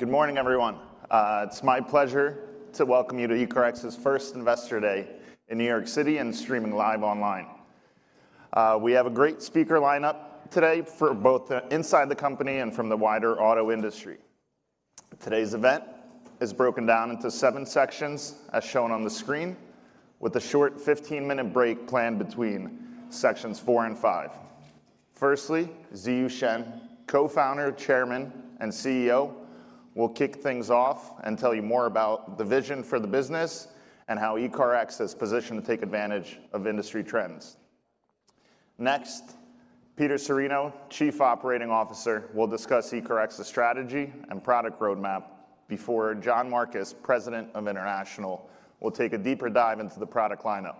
Good morning, everyone. It's my pleasure to welcome you to ECARX's first Investor Day in New York City and streaming live online. We have a great speaker lineup today for both the inside the company and from the wider auto industry. Today's event is broken down into seven sections, as shown on the screen, with a short 15-minute break planned between sections four and five. Firstly, Ziyu Shen, co-founder, chairman, and CEO, will kick things off and tell you more about the vision for the business and how ECARX is positioned to take advantage of industry trends. Peter Cirino, Chief Operating Officer, will discuss ECARX's strategy and product roadmap before John Marcus, President of International, will take a deeper dive into the product lineup.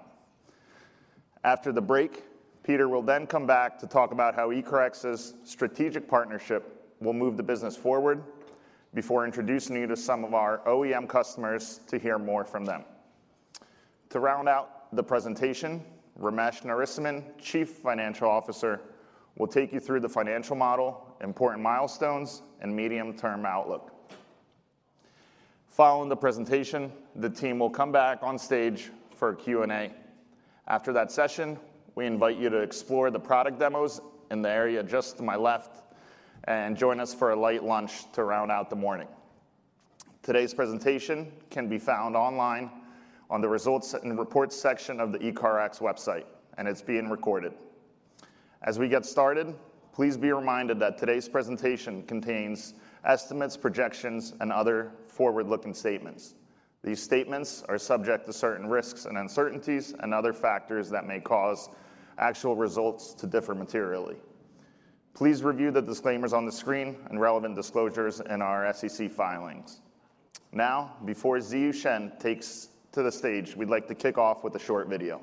After the break, Peter will then come back to talk about how ECARX's strategic partnership will move the business forward before introducing you to some of our OEM customers to hear more from them. To round out the presentation, Ramesh Narasimhan, Chief Financial Officer, will take you through the financial model, important milestones, and medium-term outlook. Following the presentation, the team will come back on stage for a Q&A. After that session, we invite you to explore the product demos in the area just to my left and join us for a light lunch to round out the morning. Today's presentation can be found online on the Results and Reports section of the ECARX website, and it's being recorded. As we get started, please be reminded that today's presentation contains estimates, projections, and other forward-looking statements. These statements are subject to certain risks and uncertainties and other factors that may cause actual results to differ materially. Please review the disclaimers on the screen and relevant disclosures in our SEC filings. Before Ziyu Shen takes to the stage, we'd like to kick off with a short video.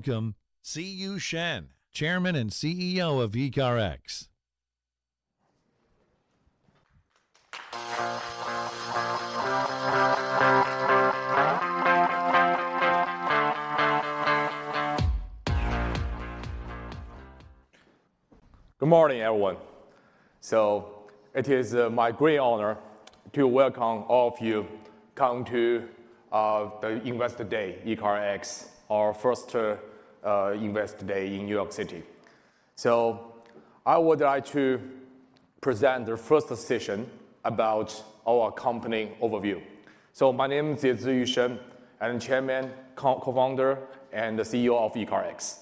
Please welcome Ziyu Shen, Chairman and CEO of ECARX. Good morning, everyone. It is my great honor to welcome all of you come to the Investor Day, ECARX, our first Investor Day in New York City. I would like to present the first session about our company overview. My name is Ziyu Shen. I am Chairman, co-founder, and the CEO of ECARX.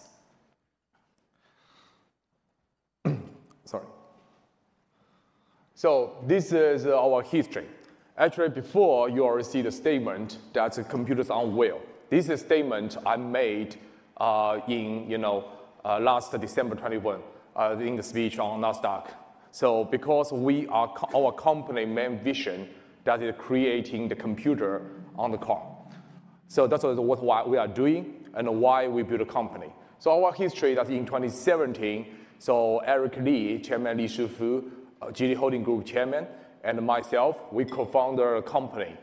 Sorry. This is our history. Actually, before you already see the statement, that's computers on wheel. This is statement I made, in, you know, last December 2021, in the speech on Nasdaq. Because our company main vision that is creating the computer on the car. That's what we are doing and why we build a company. Our history that in 2017, Eric Li, Chairman Li Shufu, Geely Holding Group chairman, and myself, we co-founder a company.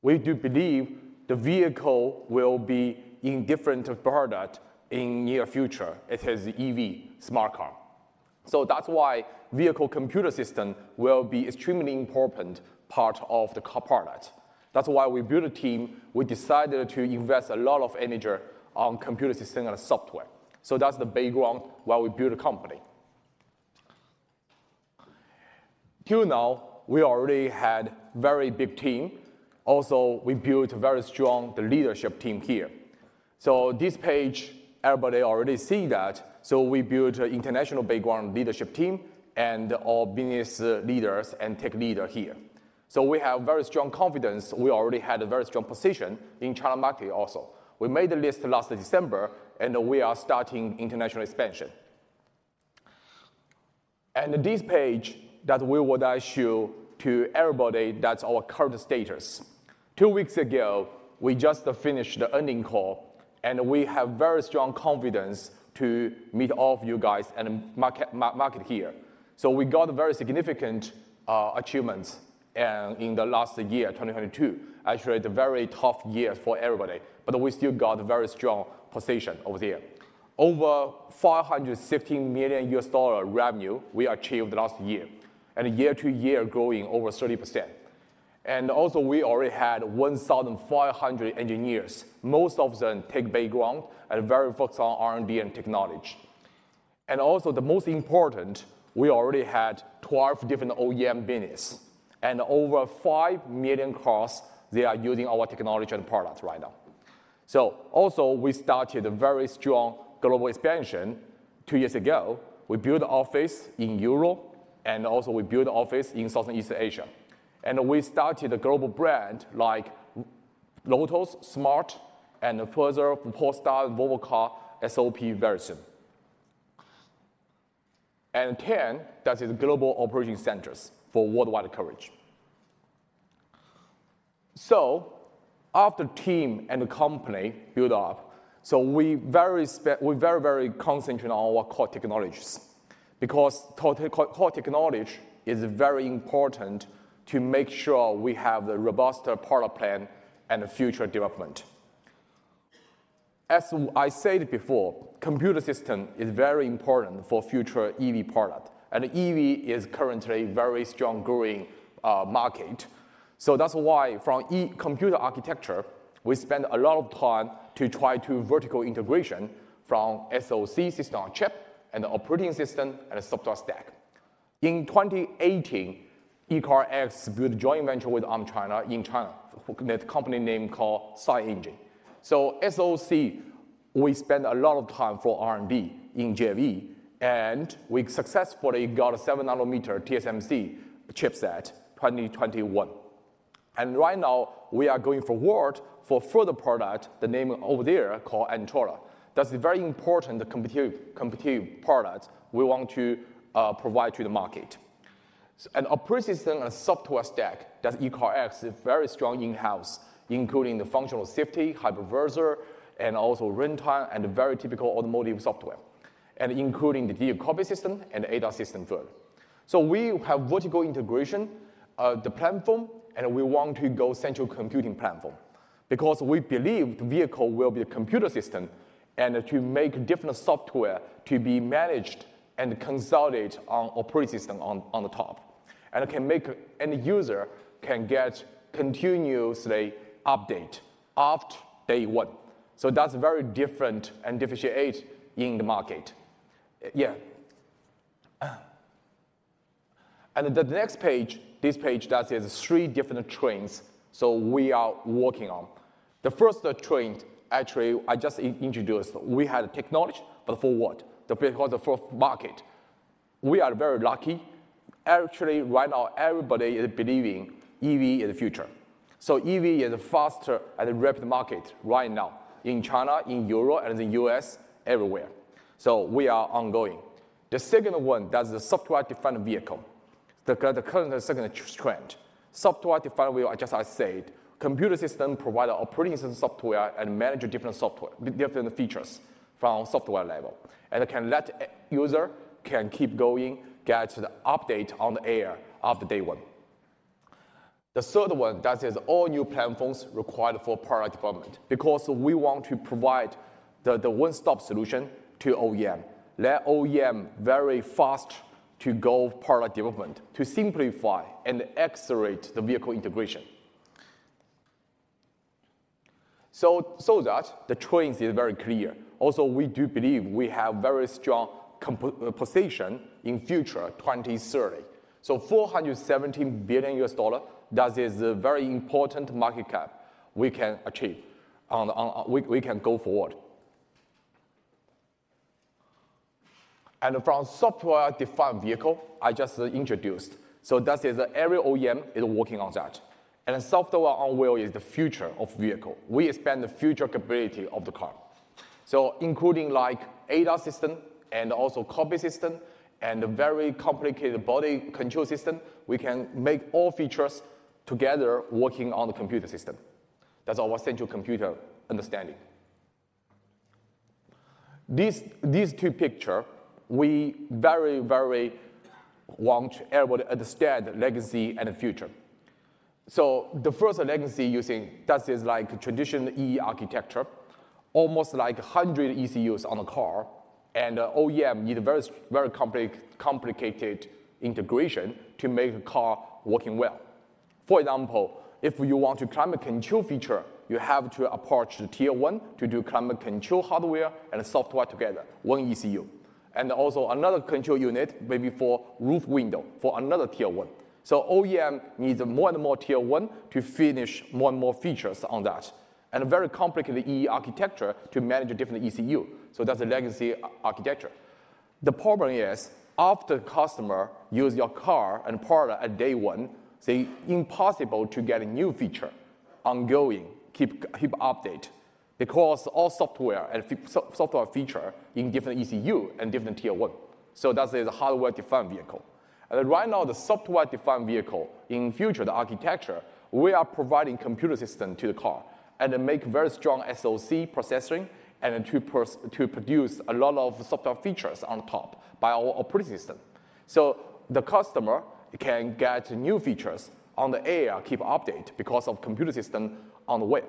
We do believe the vehicle will be in different product in near future. It is EV smart car. That's why vehicle computer system will be extremely important part of the car product. That's why we build a team. We decided to invest a lot of energy on computer system and software. That's the background why we build a company. Till now, we already had very big team. We built very strong the leadership team here. This page, everybody already see that. We built international background leadership team and our business leaders and tech leader here. We have very strong confidence. We already had a very strong position in China market also. We made the list last December, and we are starting international expansion. This page that we would like to show to everybody, that's our current status. Two weeks ago, we just finished the earnings call. We have very strong confidence to meet all of you guys and market here. We got very significant achievements in the last year, 2022. Actually, a very tough year for everybody, but we still got a very strong position over there. Over $515 million revenue we achieved last year-over-year growing over 30%. Also we already had 1,500 engineers, most of them tech background, and very focused on R&D and technology. Also, the most important, we already had 12 different OEM business. Over 5 million cars, they are using our technology and products right now. Also we started a very strong global expansion two years ago. We built office in Europe, and also we built office in Southeast Asia. We started a global brand like Lotus, smart, and further, Polestar, Volvo Cars, SOP very soon. 10, that is global operating centers for worldwide coverage. After team and the company build up, we very, very concentrate on our core technologies, because core technology is very important to make sure we have the robust product plan and future development. As I said before, computer system is very important for future EV product, and EV is currently a very strong growing market. That's why from computer architecture, we spend a lot of time to try to vertical integration from SoC system on chip and operating system and software stack. In 2018, ECARX built a joint venture with ARM China in China, net company name called SiEngine. SoC, we spend a lot of time for R&D in JV, and we successfully got a 7-nanometer TSMC chipset 2021. Right now we are going forward for further product, the name over there called Antora. That's very important compute product we want to provide to the market. Operating system and software stack, that ECARX is very strong in-house, including the functional safety, hypervisor, and also runtime and very typical automotive software, and including the vehicle ADAS system and ADAS system firm. We have vertical integration of the platform, and we want to go central computing platform because we believe the vehicle will be a computer system and to make different software to be managed and consolidate on operating system on the top. Can make any user can get continuously update after day one. That's very different and differentiate in the market. Yeah. The next page, this page, that is three different trends, so we are working on. The first trend, actually, I just introduced. We had technology, but for what? The for market. We are very lucky. Actually, right now, everybody is believing EV is the future. EV is faster and rapid market right now in China, in Europe, and the U.S., everywhere. We are ongoing. The second one, that's the software-defined vehicle. The current second trend. Software-defined vehicle, just I said, computer system provide operating system software and manage different software, different features from software level, and can let user can keep going, get the update over-the-air after day one. The third one, that is all-new platforms required for product development, because we want to provide the one-stop solution to OEM. Let OEM very fast to go product development, to simplify and accelerate the vehicle integration. That the trends is very clear. We do believe we have very strong position in future 2030. $470 billion, that is a very important market cap we can achieve, on we can go forward. From software-defined vehicle, I just introduced, so that is every OEM is working on that. Software on wheel is the future of vehicle. We expand the future capability of the car. Including like ADAS system and also cockpit system and very complicated body control system, we can make all features together working on the computer system. That's our central computer understanding. These two picture, we very want everybody understand legacy and the future. The first legacy using, that is like traditional E/E architecture, almost like 100 ECUs on a car, OEM need a very complicated integration to make the car working well. For example, if you want a climate control feature, you have to approach the tier one to do climate control hardware and software together, one ECU. Also another control unit, maybe for roof window, for another tier one. OEM needs more and more tier one to finish more and more features on that. A very complicated E/E architecture to manage different ECU. That's a legacy architecture. The problem is, after customer use your car and product at day one, it's impossible to get a new feature ongoing, keep update, because all software and software feature in different ECU and different tier one. That is a hardware-defined vehicle. Right now, the software-defined vehicle, in future, the architecture, we are providing computer system to the car. Make very strong SoC processing, and to produce a lot of software features on top by our operating system. The customer can get new features on the air, keep update, because of computer system on the way.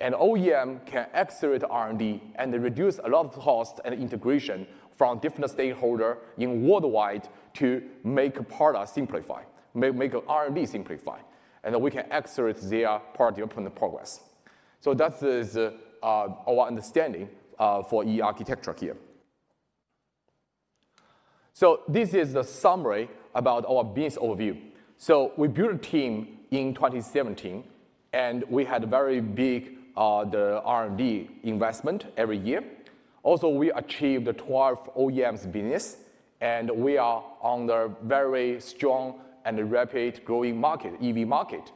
OEM can accelerate R&D and reduce a lot of cost and integration from different stakeholder in worldwide to make a product simplify, make a R&D simplify, then we can accelerate their product development progress. That is our understanding for E/E architecture here. This is the summary about our business overview. We built a team in 2017, and we had very big the R&D investment every year. We achieved 12 OEMs business, and we are on the very strong and rapid growing market, EV market.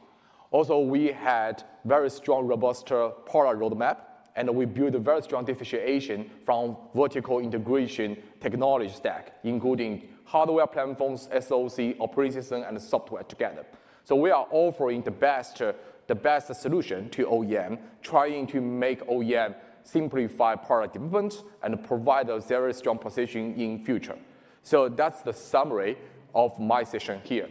We had very strong, robust product roadmap, and we built a very strong differentiation from vertical integration technology stack, including hardware platforms, SoC, operating system, and software together. We are offering the best solution to OEM, trying to make OEM simplify product development and provide a very strong position in future. That's the summary of my session here.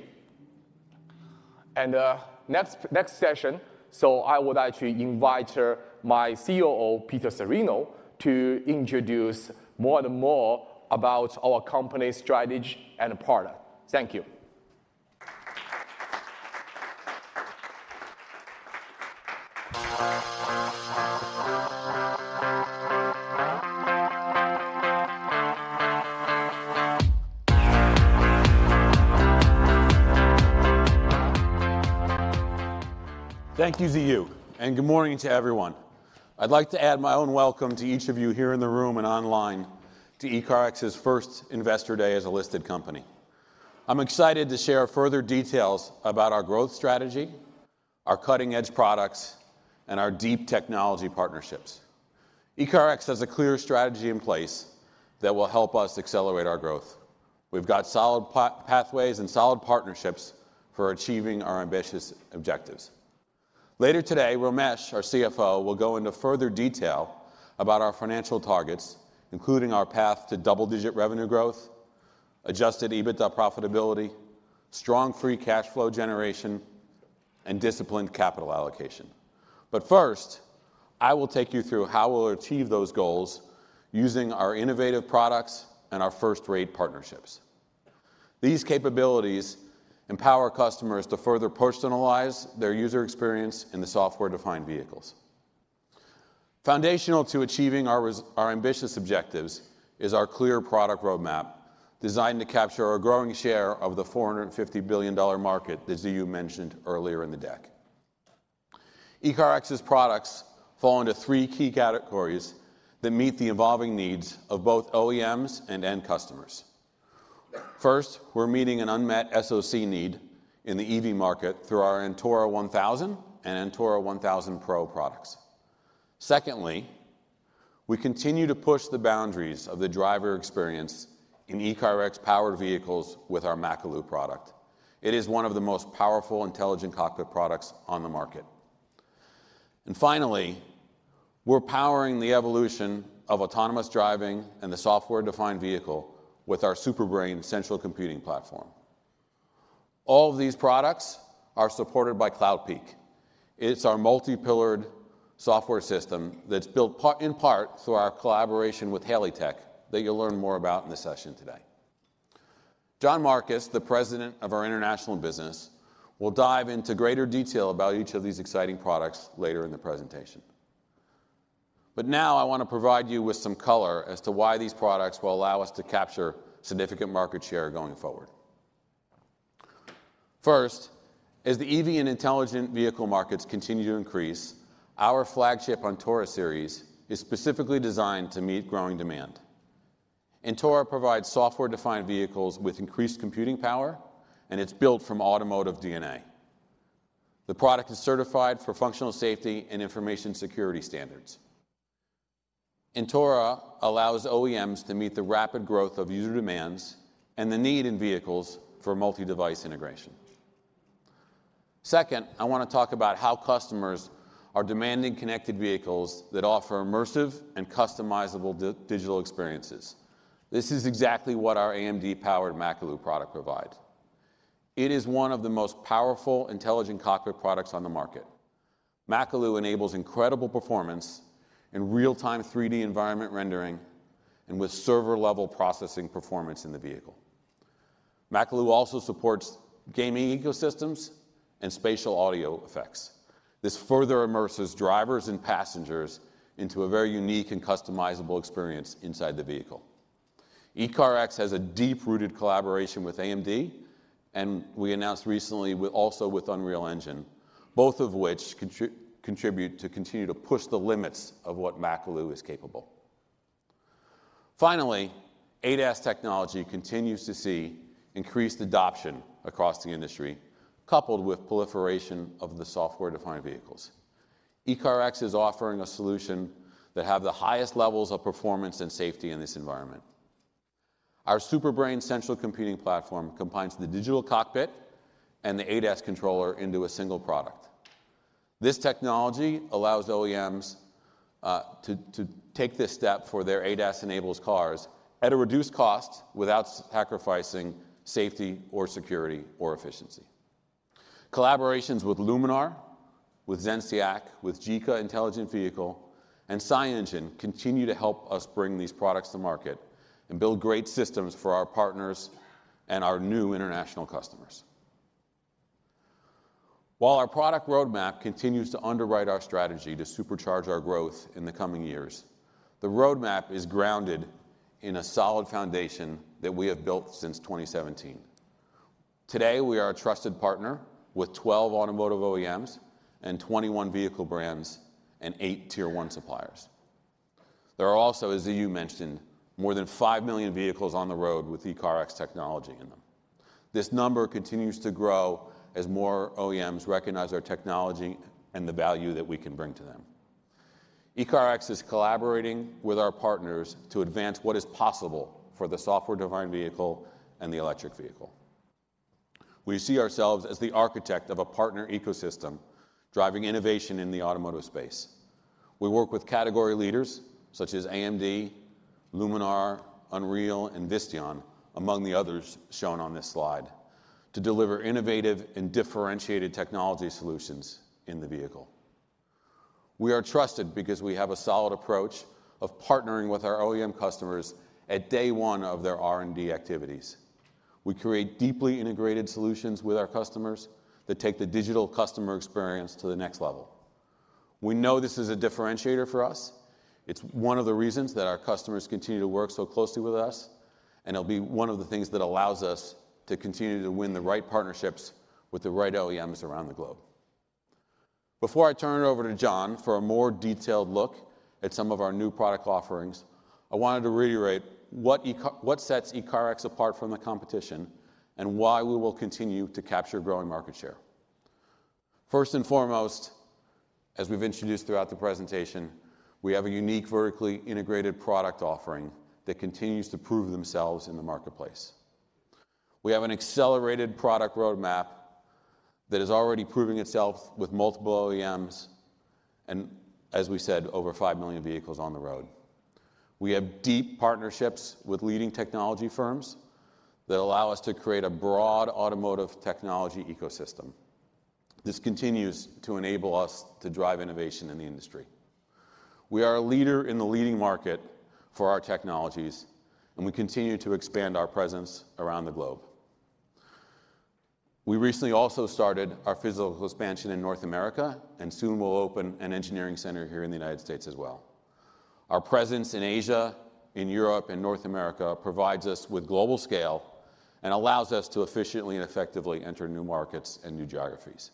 Next session, I would like to invite my COO, Peter Cirino, to introduce more and more about our company strategy and product. Thank you. Thank you, Ziyu. Good morning to everyone. I'd like to add my own welcome to each of you here in the room and online to ECARX's first Investor Day as a listed company. I'm excited to share further details about our growth strategy, our cutting-edge products, and our deep technology partnerships. ECARX has a clear strategy in place that will help us accelerate our growth. We've got solid pathways and solid partnerships for achieving our ambitious objectives. Later today, Ramesh, our CFO, will go into further detail about our financial targets, including our path to double-digit revenue growth, adjusted EBITDA profitability, strong free cash flow generation, and disciplined capital allocation. First, I will take you through how we'll achieve those goals using our innovative products and our first-rate partnerships. These capabilities empower customers to further personalize their user experience in the software-defined vehicles. Foundational to achieving our ambitious objectives is our clear product roadmap designed to capture our growing share of the $450 billion market that Ziyu mentioned earlier in the deck. ECARX's products fall into three key categories that meet the evolving needs of both OEMs and end customers. First, we're meeting an unmet SoC need in the EV market through our Antora 1000 and Antora 1000 Pro products. Secondly, we continue to push the boundaries of the driver experience in ECARX-powered vehicles with our Makalu product. It is one of the most powerful, intelligent cockpit products on the market. Finally, we're powering the evolution of autonomous driving and the software-defined vehicle with our Super Brain central computing platform. All of these products are supported by Cloudpeak. It's our multi-pillared software system that's built part, in part through our collaboration with HaleyTek that you'll learn more about in the session today. John Marcus, the President of our international business, will dive into greater detail about each of these exciting products later in the presentation. Now I wanna provide you with some color as to why these products will allow us to capture significant market share going forward. First, as the EV and intelligent vehicle markets continue to increase, our flagship Antora series is specifically designed to meet growing demand. Antora provides software-defined vehicles with increased computing power, and it's built from automotive DNA. The product is certified for functional safety and information security standards. Antora allows OEMs to meet the rapid growth of user demands and the need in vehicles for multi-device integration. I wanna talk about how customers are demanding connected vehicles that offer immersive and customizable digital experiences. This is exactly what our AMD-powered Makalu product provides. It is one of the most powerful, intelligent cockpit products on the market. Makalu enables incredible performance and real-time 3D environment rendering and with server-level processing performance in the vehicle. Makalu also supports gaming ecosystems and spatial audio effects. This further immerses drivers and passengers into a very unique and customizable experience inside the vehicle. ECARX has a deep-rooted collaboration with AMD, and we announced recently also with Unreal Engine, both of which contribute to continue to push the limits of what Makalu is capable of. ADAS technology continues to see increased adoption across the industry, coupled with proliferation of the software-defined vehicles. ECARX is offering a solution that have the highest levels of performance and safety in this environment. Our Super Brain central computing platform combines the digital cockpit and the ADAS controller into a single product. This technology allows OEMs to take this step for their ADAS-enabled cars at a reduced cost without sacrificing safety or security or efficiency. Collaborations with Luminar, with Zenseact, with Zeekr Intelligent Vehicle, and SiEngine continue to help us bring these products to market and build great systems for our partners and our new international customers. While our product roadmap continues to underwrite our strategy to supercharge our growth in the coming years, the roadmap is grounded in a solid foundation that we have built since 2017. Today, we are a trusted partner with 12 automotive OEMs and 21 vehicle brands and 8 tier 1 suppliers. There are also, as Ziyu mentioned, more than 5 million vehicles on the road with ECARX technology in them. This number continues to grow as more OEMs recognize our technology and the value that we can bring to them. ECARX is collaborating with our partners to advance what is possible for the software-defined vehicle and the electric vehicle. We see ourselves as the architect of a partner ecosystem driving innovation in the automotive space. We work with category leaders such as AMD, Luminar, Unreal, and Visteon, among the others shown on this slide, to deliver innovative and differentiated technology solutions in the vehicle. We are trusted because we have a solid approach of partnering with our OEM customers at day one of their R&D activities. We create deeply integrated solutions with our customers that take the digital customer experience to the next level. We know this is a differentiator for us. It's one of the reasons that our customers continue to work so closely with us. It'll be one of the things that allows us to continue to win the right partnerships with the right OEMs around the globe. Before I turn it over to John for a more detailed look at some of our new product offerings, I wanted to reiterate what sets ECARX apart from the competition and why we will continue to capture growing market share. First and foremost, as we've introduced throughout the presentation, we have a unique vertically integrated product offering that continues to prove themselves in the marketplace. We have an accelerated product roadmap that is already proving itself with multiple OEMs and, as we said, over 5 million vehicles on the road. We have deep partnerships with leading technology firms that allow us to create a broad automotive technology ecosystem. This continues to enable us to drive innovation in the industry. We are a leader in the leading market for our technologies, and we continue to expand our presence around the globe. We recently also started our physical expansion in North America, and soon we'll open an engineering center here in the United States as well. Our presence in Asia, in Europe, and North America provides us with global scale and allows us to efficiently and effectively enter new markets and new geographies.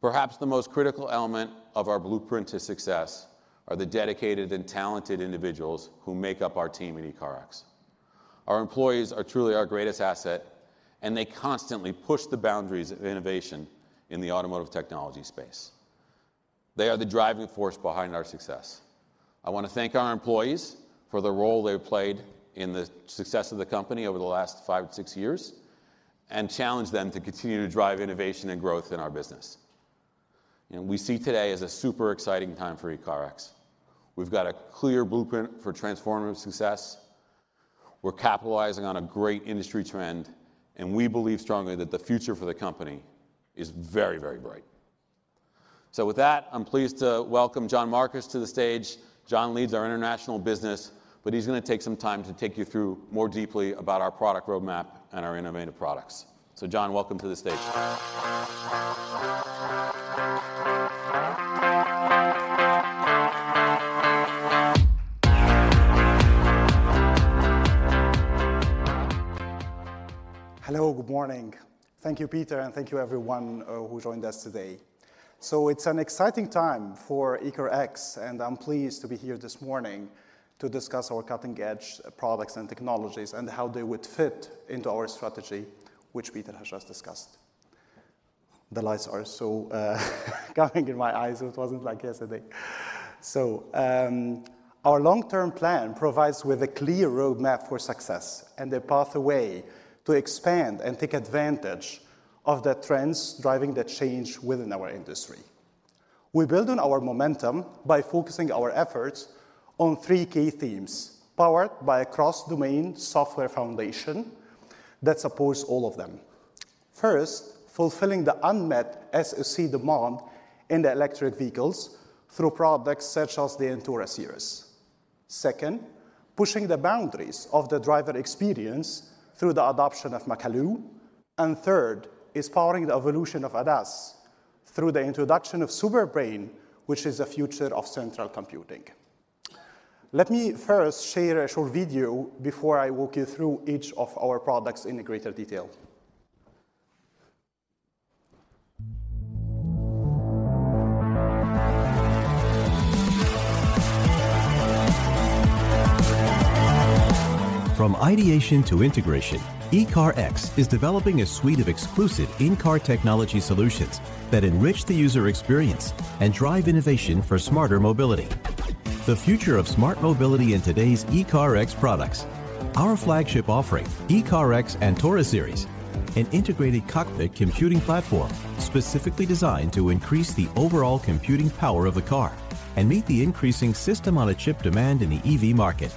Perhaps the most critical element of our blueprint to success are the dedicated and talented individuals who make up our team at ECARX. Our employees are truly our greatest asset, and they constantly push the boundaries of innovation in the automotive technology space. They are the driving force behind our success. I wanna thank our employees for the role they've played in the success of the company over the last five to six years and challenge them to continue to drive innovation and growth in our business. We see today as a super exciting time for ECARX. We've got a clear blueprint for transformative success. We're capitalizing on a great industry trend, and we believe strongly that the future for the company is very, very bright. With that, I'm pleased to welcome John Marcus to the stage. John leads our international business, but he's gonna take some time to take you through more deeply about our product roadmap and our innovative products. John, welcome to the stage. Hello, good morning. Thank you, Peter, and thank you everyone who joined us today. It's an exciting time for ECARX, and I'm pleased to be here this morning to discuss our cutting-edge products and technologies and how they would fit into our strategy, which Peter has just discussed. The lights are so going in my eyes. It wasn't like yesterday. Our long-term plan provides with a clear roadmap for success and a pathway to expand and take advantage of the trends driving the change within our industry. We build on our momentum by focusing our efforts on three key themes, powered by a cross-domain software foundation that supports all of them. First, fulfilling the unmet SoC demand in the electric vehicles through products such as the Antora series. Second, pushing the boundaries of the driver experience through the adoption of Makalu. Third is powering the evolution of ADAS through the introduction of Super Brain, which is the future of central computing. Let me first share a short video before I walk you through each of our products in greater detail. From ideation to integration, ECARX is developing a suite of exclusive in-car technology solutions that enrich the user experience and drive innovation for smarter mobility. The future of smart mobility in today's ECARX products. Our flagship offering, ECARX Antora series, an integrated cockpit computing platform specifically designed to increase the overall computing power of a car and meet the increasing system-on-a-chip demand in the EV market.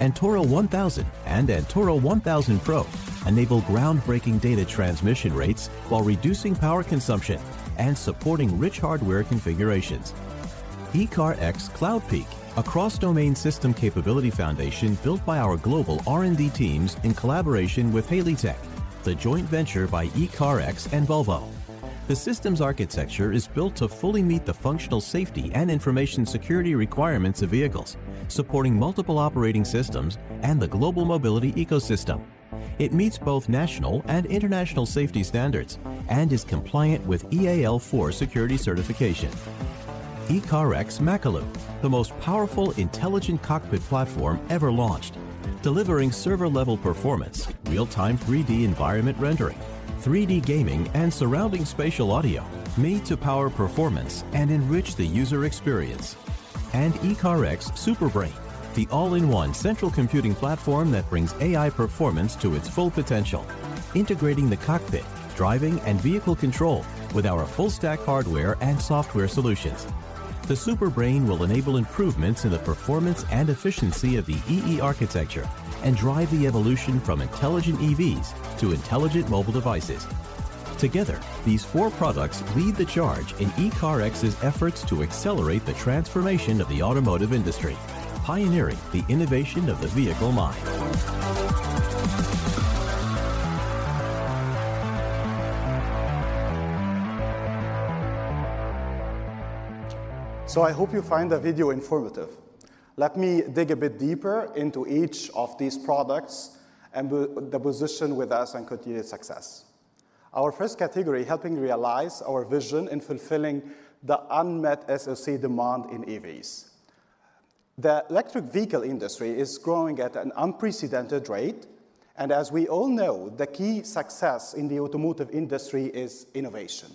Antora 1000 and Antora 1000 Pro enable groundbreaking data transmission rates while reducing power consumption and supporting rich hardware configurations. ECARX Cloudpeak, a cross-domain system capability foundation built by our global R&D teams in collaboration with HaleyTek, the joint venture by ECARX and Volvo. The systems architecture is built to fully meet the functional safety and information security requirements of vehicles, supporting multiple operating systems and the global mobility ecosystem. It meets both national and international safety standards and is compliant with EAL4 security certification. ECARX Makalu, the most powerful intelligent cockpit platform ever launched, delivering server-level performance, real-time 3D environment rendering, 3D gaming, and surrounding spatial audio made to power performance and enrich the user experience. ECARX Super Brain, the all-in-one central computing platform that brings AI performance to its full potential. Integrating the cockpit, driving, and vehicle control with our full stack hardware and software solutions. The Super Brain will enable improvements in the performance and efficiency of the E/E architecture and drive the evolution from intelligent EVs to intelligent mobile devices. Together, these four products lead the charge in ECARX's efforts to accelerate the transformation of the automotive industry, pioneering the innovation of the vehicle mind. I hope you find the video informative. Let me dig a bit deeper into each of these products and the position with us and continued success. Our first category helping realize our vision in fulfilling the unmet SoC demand in EVs. The electric vehicle industry is growing at an unprecedented rate, as we all know, the key success in the automotive industry is innovation.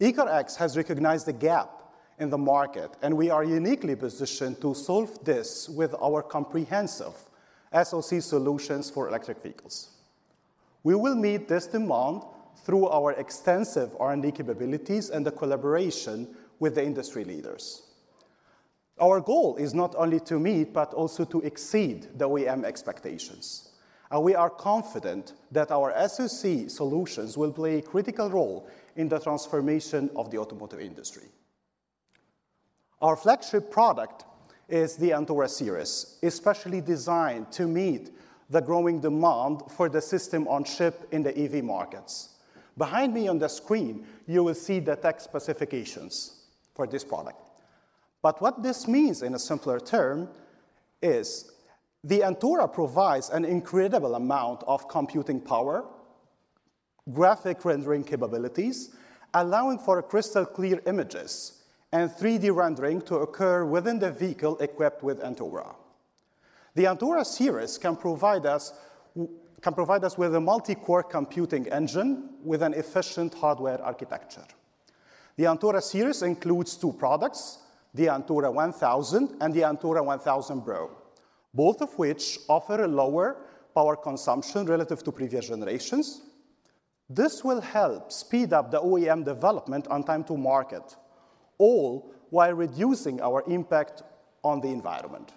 ECARX has recognized the gap in the market, we are uniquely positioned to solve this with our comprehensive SoC solutions for electric vehicles. We will meet this demand through our extensive R&D capabilities and the collaboration with the industry leaders. Our goal is not only to meet but also to exceed the OEM expectations. We are confident that our SoC solutions will play a critical role in the transformation of the automotive industry. Our flagship product is the Antora series, especially designed to meet the growing demand for the system on chip in the EV markets. Behind me on the screen, you will see the tech specifications for this product. What this means in a simpler term is the Antora provides an incredible amount of computing power, graphic rendering capabilities, allowing for crystal clear images and 3D rendering to occur within the vehicle equipped with Antora. The Antora series can provide us with a multi-core computing engine with an efficient hardware architecture. The Antora series includes two products, the Antora 1000 and the Antora 1000 Pro, both of which offer a lower power consumption relative to previous generations. This will help speed up the OEM development on time to market, all while reducing our impact on the environment.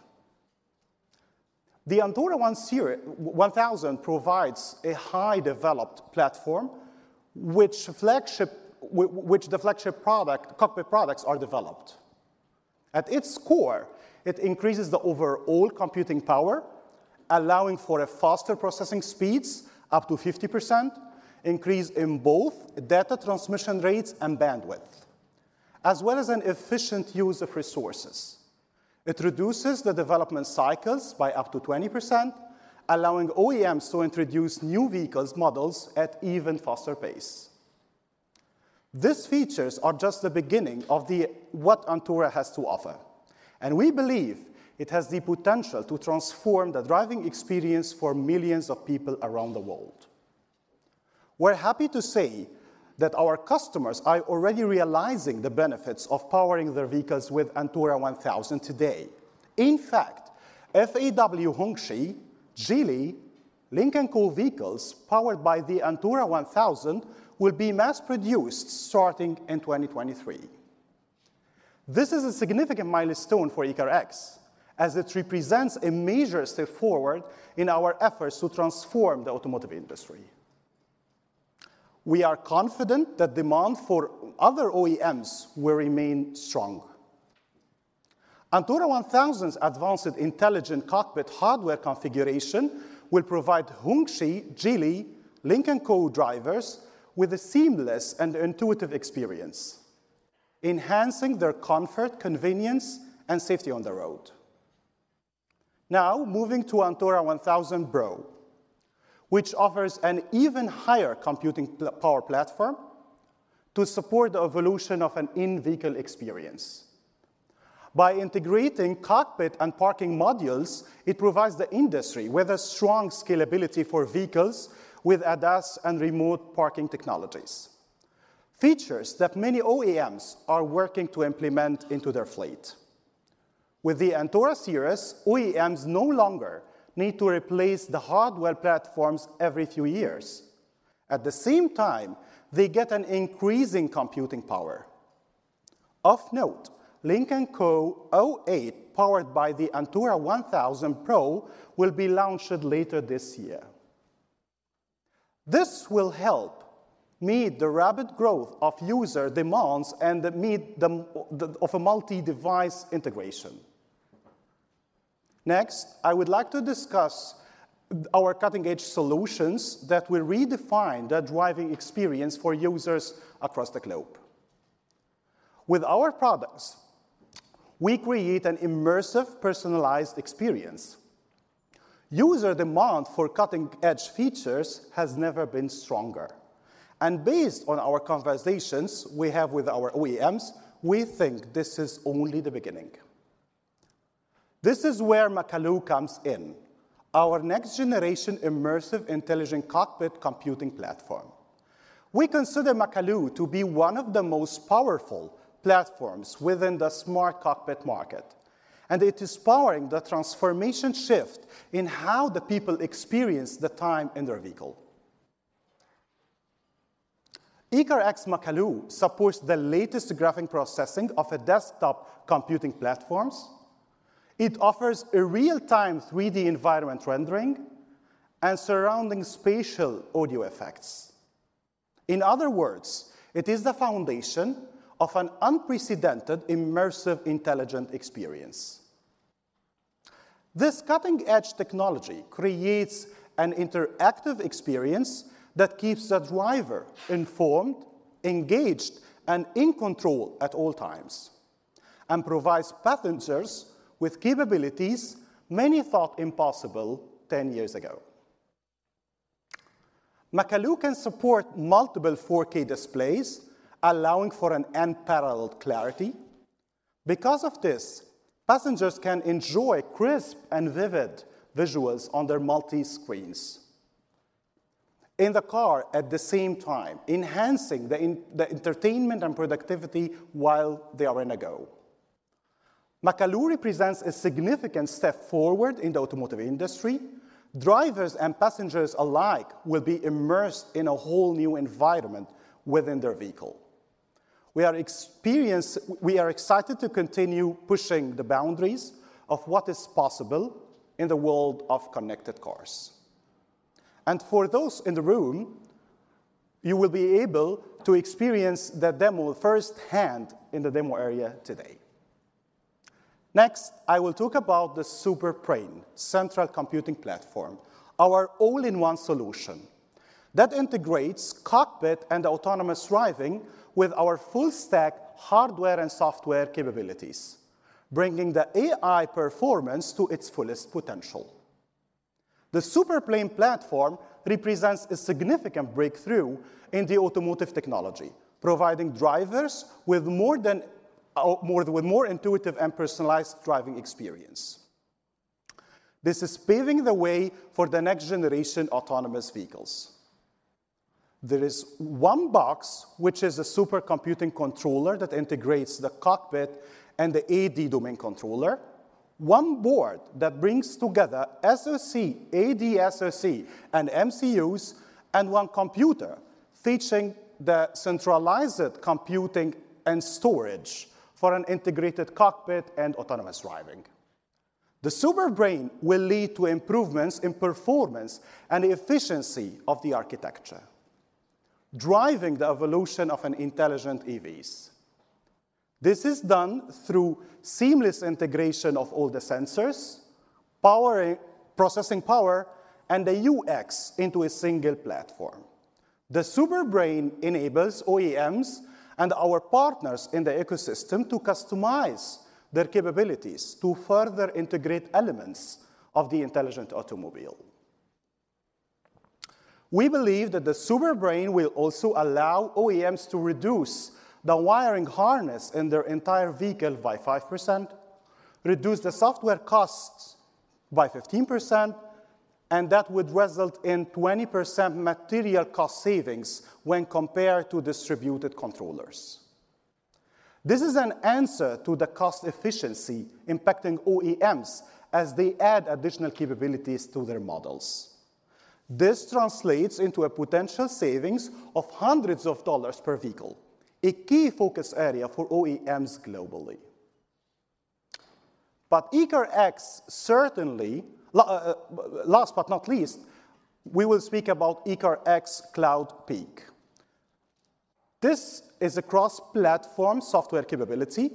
The Antora 1 series, Antora 1000 provides a high developed platform which the flagship product, cockpit products are developed. At its core, it increases the overall computing power, allowing for faster processing speeds, up to 50% increase in both data transmission rates and bandwidth, as well as an efficient use of resources. It reduces the development cycles by up to 20%, allowing OEMs to introduce new vehicles models at even faster pace. These features are just the beginning of the what Antora has to offer. We believe it has the potential to transform the driving experience for millions of people around the world. We're happy to say that our customers are already realizing the benefits of powering their vehicles with Antora 1000 today. FAW Hongqi, Geely, Lynk & Co vehicles powered by the Antora 1000 will be mass-produced starting in 2023. This is a significant milestone for ECARX as it represents a major step forward in our efforts to transform the automotive industry. We are confident that demand for other OEMs will remain strong. Antora 1000's advanced intelligent cockpit hardware configuration will provide Hongqi, Geely, Lynk & Co drivers with a seamless and intuitive experience, enhancing their comfort, convenience, and safety on the road. Moving to Antora 1000 Pro, which offers an even higher computing power platform to support the evolution of an in-vehicle experience. By integrating cockpit and parking modules, it provides the industry with a strong scalability for vehicles with ADAS and remote parking technologies. Features that many OEMs are working to implement into their fleet. With the Antora series, OEMs no longer need to replace the hardware platforms every few years. At the same time, they get an increase in computing power. Of note, Lynk & Co 08, powered by the Antora 1000 Pro, will be launched later this year. This will help meet the rapid growth of user demands and meet the of a multi-device integration. I would like to discuss our cutting-edge solutions that will redefine the driving experience for users across the globe. With our products, we create an immersive, personalized experience. User demand for cutting-edge features has never been stronger, based on our conversations we have with our OEMs, we think this is only the beginning. This is where Makalu comes in, our next generation immersive intelligent cockpit computing platform. We consider Makalu to be one of the most powerful platforms within the smart cockpit market. It is powering the transformation shift in how the people experience the time in their vehicle. ECARX Makalu supports the latest graphic processing of a desktop computing platforms. It offers a real-time 3D environment rendering and surrounding spatial audio effects. In other words, it is the foundation of an unprecedented immersive intelligent experience. This cutting-edge technology creates an interactive experience that keeps the driver informed, engaged, and in control at all times, and provides passengers with capabilities many thought impossible 10 years ago. Makalu can support multiple 4K displays, allowing for an unparalleled clarity. Because of this, passengers can enjoy crisp and vivid visuals on their multi-screens in the car at the same time, enhancing the entertainment and productivity while they are on the go. Makalu represents a significant step forward in the automotive industry. Drivers and passengers alike will be immersed in a whole new environment within their vehicle. We are excited to continue pushing the boundaries of what is possible in the world of connected cars. For those in the room, you will be able to experience the demo first hand in the demo area today. Next, I will talk about the Super Brain central computing platform, our all-in-one solution that integrates cockpit and autonomous driving with our full stack hardware and software capabilities, bringing the AI performance to its fullest potential. The Super Brain platform represents a significant breakthrough in the automotive technology, providing drivers with more intuitive and personalized driving experience. This is paving the way for the next generation autonomous vehicles. There is one box, which is a supercomputing controller that integrates the cockpit and the AD domain controller. One board that brings together SoC, AD SoC and MCUs, and one computer featuring the centralized computing and storage for an integrated cockpit and autonomous driving. The Super Brain will lead to improvements in performance and efficiency of the architecture, driving the evolution of an intelligent EVs. This is done through seamless integration of all the sensors, processing power, and the UX into a single platform. The Super Brain enables OEMs and our partners in the ecosystem to customize their capabilities to further integrate elements of the intelligent automobile. We believe that the Super Brain will also allow OEMs to reduce the wiring harness in their entire vehicle by 5%, reduce the software costs by 15%, and that would result in 20% material cost savings when compared to distributed controllers. This is an answer to the cost efficiency impacting OEMs as they add additional capabilities to their models. This translates into a potential savings of hundreds of dollars per vehicle, a key focus area for OEMs globally. ECARX certainly, last but not least, we will speak about ECARX Cloudpeak. This is a cross-platform software capability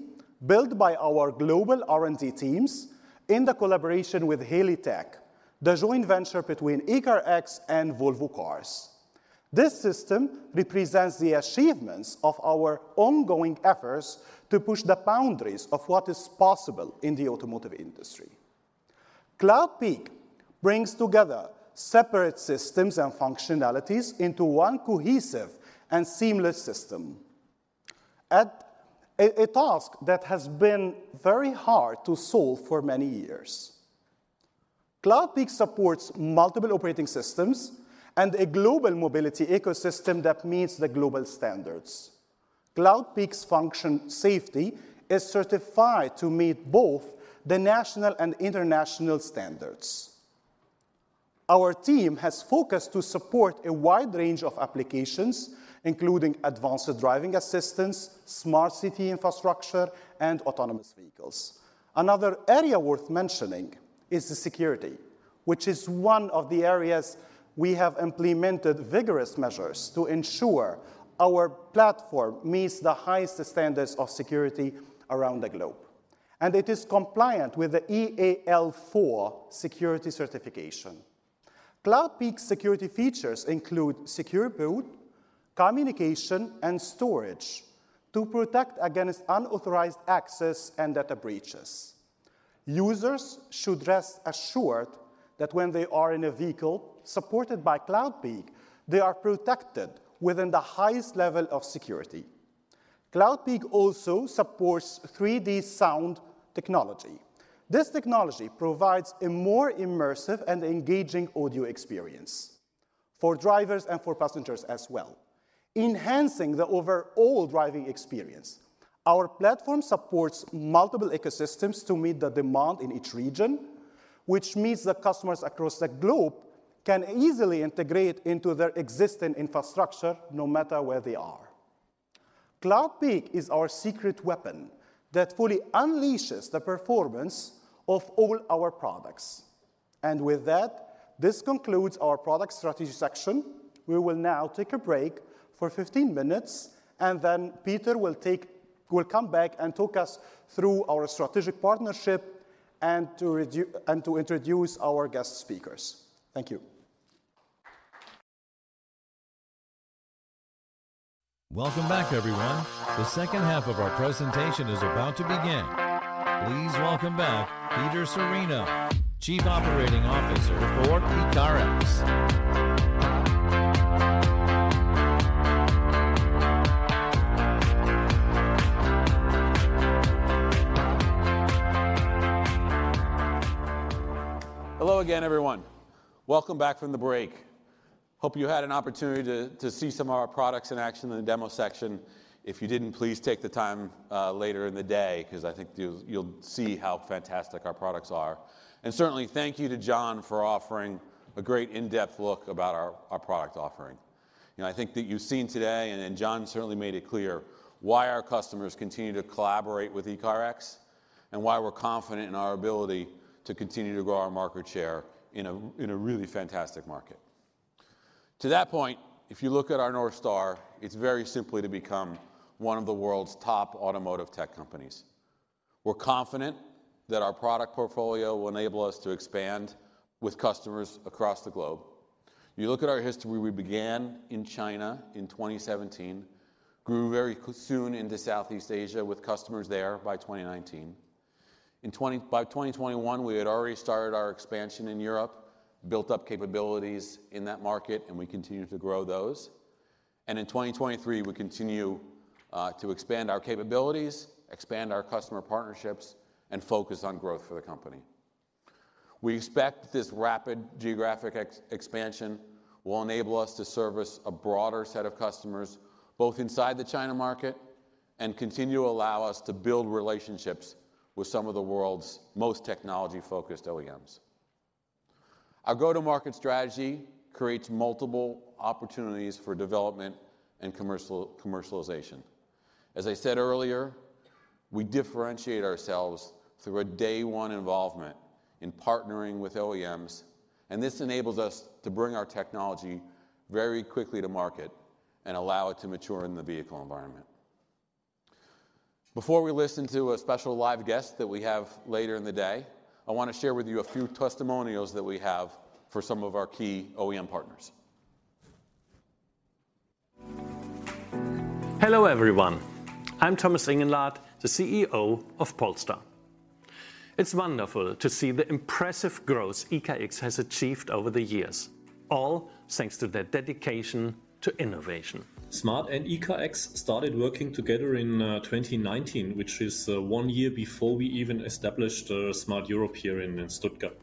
built by our global R&D teams in the collaboration with HaleyTek, the joint venture between ECARX and Volvo Cars. This system represents the achievements of our ongoing efforts to push the boundaries of what is possible in the automotive industry. Cloudpeak brings together separate systems and functionalities into one cohesive and seamless system, a task that has been very hard to solve for many years. Cloudpeak supports multiple operating systems and a global mobility ecosystem that meets the global standards. Cloudpeak's functional safety is certified to meet both the national and international standards. Our team has focused to support a wide range of applications, including advanced driving assistance, smart city infrastructure, and autonomous vehicles. Another area worth mentioning is the security, which is one of the areas we have implemented vigorous measures to ensure our platform meets the highest standards of security around the globe, and it is compliant with the EAL4 security certification. Cloudpeak security features include secure boot, communication, and storage to protect against unauthorized access and data breaches. Users should rest assured that when they are in a vehicle supported by Cloudpeak, they are protected within the highest level of security. Cloudpeak also supports 3D sound technology. This technology provides a more immersive and engaging audio experience for drivers and for passengers as well, enhancing the overall driving experience. Our platform supports multiple ecosystems to meet the demand in each region, which means that customers across the globe can easily integrate into their existing infrastructure no matter where they are. Cloudpeak is our secret weapon that fully unleashes the performance of all our products. With that, this concludes our product strategy section. We will now take a break for 15 minutes, then Peter will come back and talk us through our strategic partnership and to introduce our guest speakers. Thank you. Welcome back everyone. The second half of our presentation is about to begin. Please welcome back Peter Cirino, Chief Operating Officer for ECARX. Hello again, everyone. Welcome back from the break. Hope you had an opportunity to see some of our products in action in the demo section. If you didn't, please take the time later in the day, 'cause I think you'll see how fantastic our products are. Certainly thank you to John for offering a great in-depth look about our product offering. You know, I think that you've seen today, John certainly made it clear why our customers continue to collaborate with ECARX and why we're confident in our ability to continue to grow our market share in a really fantastic market. To that point, if you look at our North Star, it's very simply to become one of the world's top automotive tech companies. We're confident that our product portfolio will enable us to expand with customers across the globe. You look at our history, we began in China in 2017, grew very soon into Southeast Asia with customers there by 2019. By 2021, we had already started our expansion in Europe, built up capabilities in that market, and we continue to grow those. In 2023, we continue to expand our capabilities, expand our customer partnerships, and focus on growth for the company. We expect this rapid geographic expansion will enable us to service a broader set of customers, both inside the China market and continue to allow us to build relationships with some of the world's most technology-focused OEMs. Our go-to-market strategy creates multiple opportunities for development and commercialization. As I said earlier, we differentiate ourselves through a day-one involvement in partnering with OEMs. This enables us to bring our technology very quickly to market and allow it to mature in the vehicle environment. Before we listen to a special live guest that we have later in the day, I wanna share with you a few testimonials that we have for some of our key OEM partners. Hello, everyone. I'm Thomas Ingenlath, the CEO of Polestar. It's wonderful to see the impressive growth ECARX has achieved over the years, all thanks to their dedication to innovation. smart and ECARX started working together in 2019, which is one year before we even established smart Europe here in Stuttgart.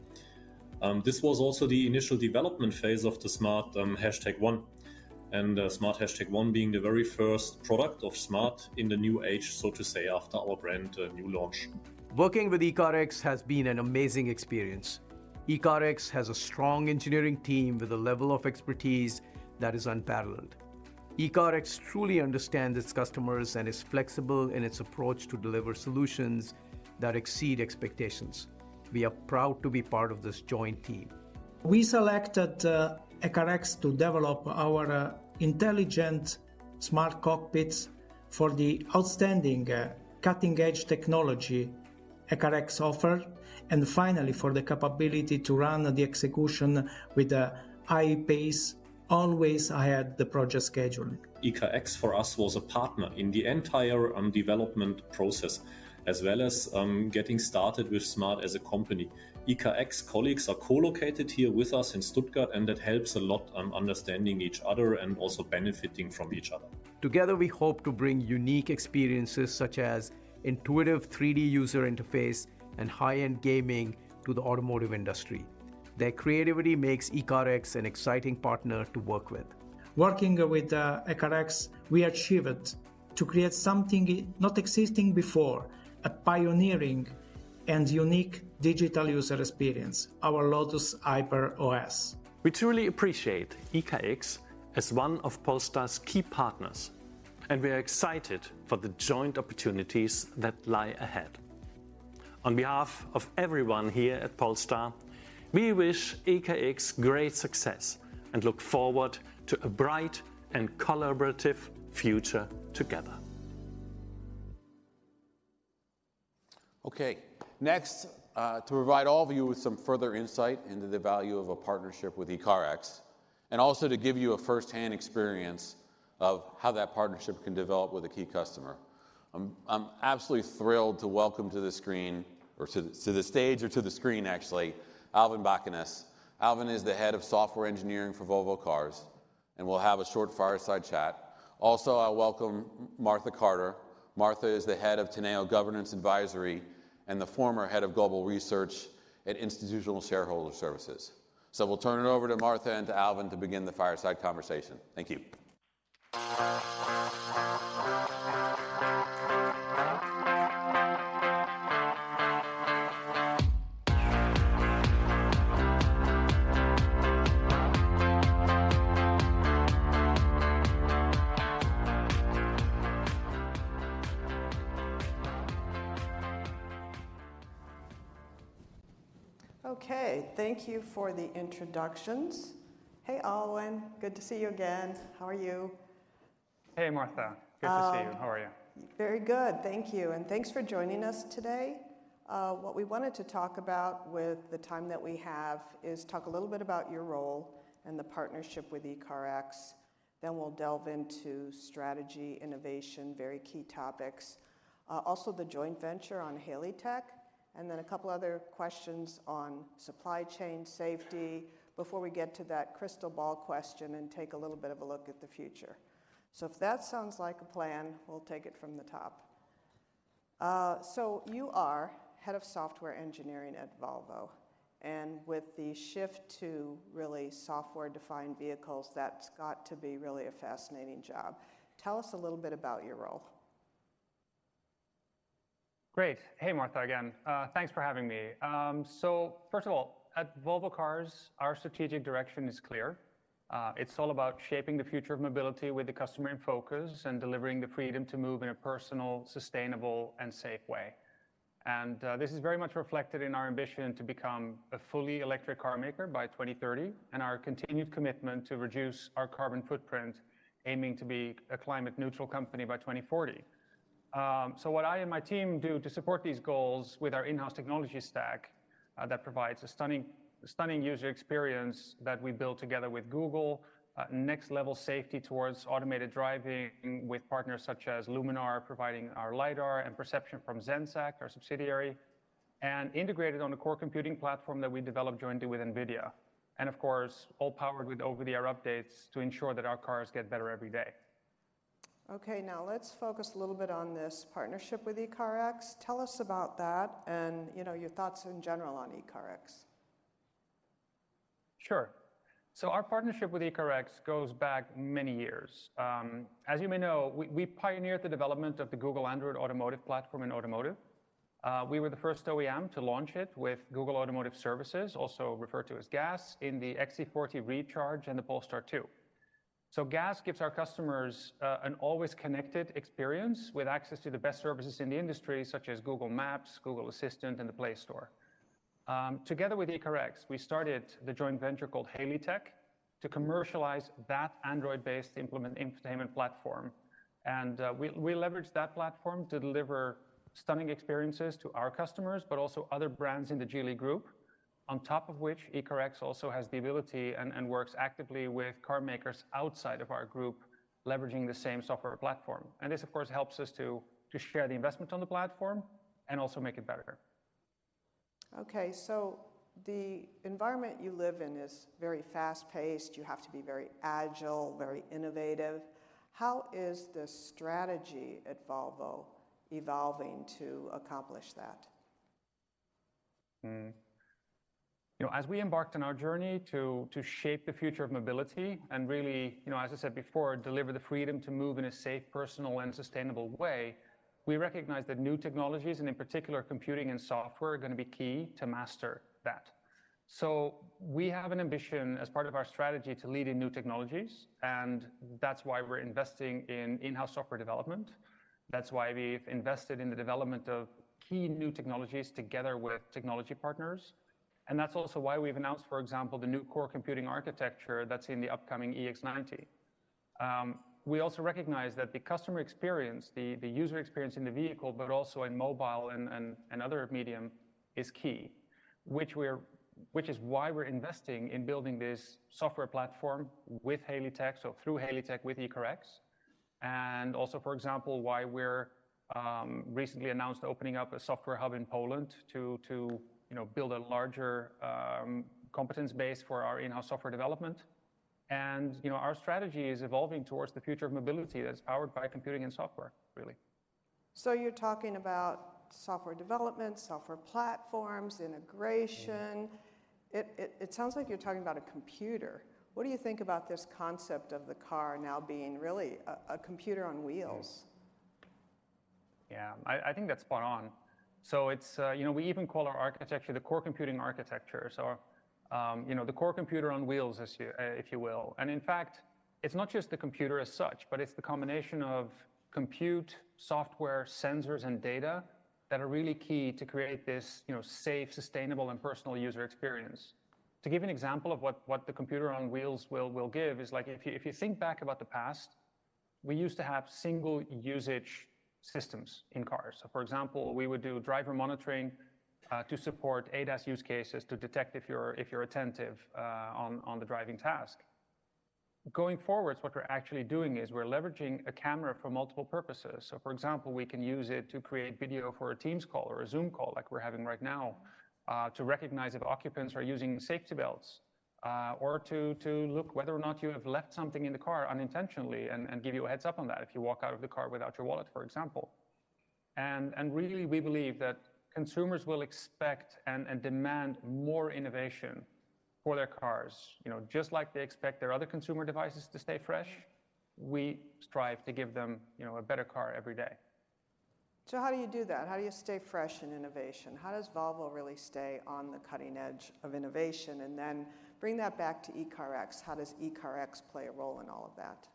This was also the initial development phase of the smart #1, smart #1 being the very first product of smart in the new age, so to say, after our brand new launch. Working with ECARX has been an amazing experience. ECARX has a strong engineering team with a level of expertise that is unparalleled. ECARX truly understands its customers and is flexible in its approach to deliver solutions that exceed expectations. We are proud to be part of this joint team. We selected ECARX to develop our intelligent smart cockpits for the outstanding cutting-edge technology ECARX offer, and finally, for the capability to run the execution with a high pace, always ahead the project schedule. ECARX, for us, was a partner in the entire development process, as well as, getting started with smart as a company. ECARX colleagues are co-located here with us in Stuttgart. That helps a lot, understanding each other and also benefiting from each other. Together, we hope to bring unique experiences such as intuitive 3D user interface and high-end gaming to the automotive industry. Their creativity makes ECARX an exciting partner to work with. Working with ECARX, we achieved to create something not existing before, a pioneering and unique digital user experience, our Lotus Hyper OS. We truly appreciate ECARX as one of Polestar's key partners. We are excited for the joint opportunities that lie ahead. On behalf of everyone here at Polestar, we wish ECARX great success and look forward to a bright and collaborative future together. Okay. Next, to provide all of you with some further insight into the value of a partnership with ECARX and also to give you a first-hand experience of how that partnership can develop with a key customer, I'm absolutely thrilled to welcome to the stage or to the screen actually, Alwin Bakkenes. Alwin is the head of software engineering for Volvo Cars. We'll have a short fireside chat. I welcome Martha Carter. Martha is the head of Teneo Governance Advisory and the former head of Global Research and Institutional Shareholder Services. We'll turn it over to Martha and to Alwin to begin the fireside conversation. Thank you. Okay, thank you for the introductions. Hey, Alwin. Good to see you again. How are you? Hey, Martha. Good to see you. How are you? Very good, thank you, and thanks for joining us today. What we wanted to talk about with the time that we have is talk a little bit about your role and the partnership with ECARX, then we'll delve into strategy, innovation, very key topics. Also the joint venture on HaleyTek, and then a couple other questions on supply chain safety before we get to that crystal ball question and take a little bit of a look at the future. If that sounds like a plan, we'll take it from the top. You are Head of Software Engineering at Volvo, and with the shift to really software-defined vehicles, that's got to be really a fascinating job. Tell us a little bit about your role. Great. Hey, Martha, again. Thanks for having me. First of all, at Volvo Cars, our strategic direction is clear. It's all about shaping the future of mobility with the customer in focus and delivering the freedom to move in a personal, sustainable, and safe way. This is very much reflected in our ambition to become a fully electric car maker by 2030 and our continued commitment to reduce our carbon footprint, aiming to be a climate neutral company by 2040. What I and my team do to support these goals with our in-house technology stack that provides a stunning user experience that we build together with Google, next level safety towards automated driving with partners such as Luminar providing our lidar and perception from Zenseact, our subsidiary, and integrated on a core computing platform that we develop jointly with NVIDIA. Of course, all powered with over-the-air updates to ensure that our cars get better every day. Okay, now let's focus a little bit on this partnership with ECARX. Tell us about that and, you know, your thoughts in general on ECARX. Sure. Our partnership with ECARX goes back many years. As you may know, we pioneered the development of the Google Android Automotive platform in automotive. We were the first OEM to launch it with Google Automotive Services, also referred to as GAS, in the XC40 Recharge and the Polestar 2. GAS gives our customers an always connected experience with access to the best services in the industry, such as Google Maps, Google Assistant, and the Play Store. Together with ECARX, we started the joint venture called HaleyTek to commercialize that Android-based implement infotainment platform. We leveraged that platform to deliver stunning experiences to our customers, but also other brands in the Geely group. On top of which, ECARX also has the ability and works actively with car makers outside of our group, leveraging the same software platform. This, of course, helps us to share the investment on the platform and also make it better. Okay. The environment you live in is very fast-paced. You have to be very agile, very innovative. How is the strategy at Volvo evolving to accomplish that? You know, as we embarked on our journey to shape the future of mobility and really, you know, as I said before, deliver the freedom to move in a safe, personal, and sustainable way, we recognize that new technologies, and in particular computing and software, are gonna be key to master that. We have an ambition as part of our strategy to lead in new technologies, and that's why we're investing in in-house software development. That's why we've invested in the development of key new technologies together with technology partners. That's also why we've announced, for example, the new core computing architecture that's in the upcoming EX90. We also recognize that the customer experience, the user experience in the vehicle, but also in mobile and other medium is key, which is why we're investing in building this software platform with HaleyTek, so through HaleyTek with ECARX. Also, for example, why we're recently announced opening up a software hub in Poland to, you know, build a larger competence base for our in-house software development. You know, our strategy is evolving towards the future of mobility that's powered by computing and software, really. You're talking about software development, software platforms, integration. Mm-hmm. It sounds like you're talking about a computer. What do you think about this concept of the car now being really a computer on wheels? Yeah. I think that's spot on. You know, we even call our architecture the core computing architecture. You know, the core computer on wheels, as you if you will. In fact, it's not just the computer as such, but it's the combination of compute software, sensors, and data that are really key to create this, you know, safe, sustainable, and personal user experience. To give an example of what the computer on wheels will give is like, if you think back about the past, we used to have single usage systems in cars. For example, we would do driver monitoring to support ADAS use cases to detect if you're attentive on the driving task. Going forwards, what we're actually doing is we're leveraging a camera for multiple purposes. For example, we can use it to create video for a Teams call or a Zoom call like we're having right now, to recognize if occupants are using safety belts, or to look whether or not you have left something in the car unintentionally and give you a heads-up on that if you walk out of the car without your wallet, for example. Really we believe that consumers will expect and demand more innovation for their cars. You know, just like they expect their other consumer devices to stay fresh, we strive to give them, you know, a better car every day. How do you do that? How do you stay fresh in innovation? How does Volvo really stay on the cutting edge of innovation? Bring that back to ECARX. How does ECARX play a role in all of that?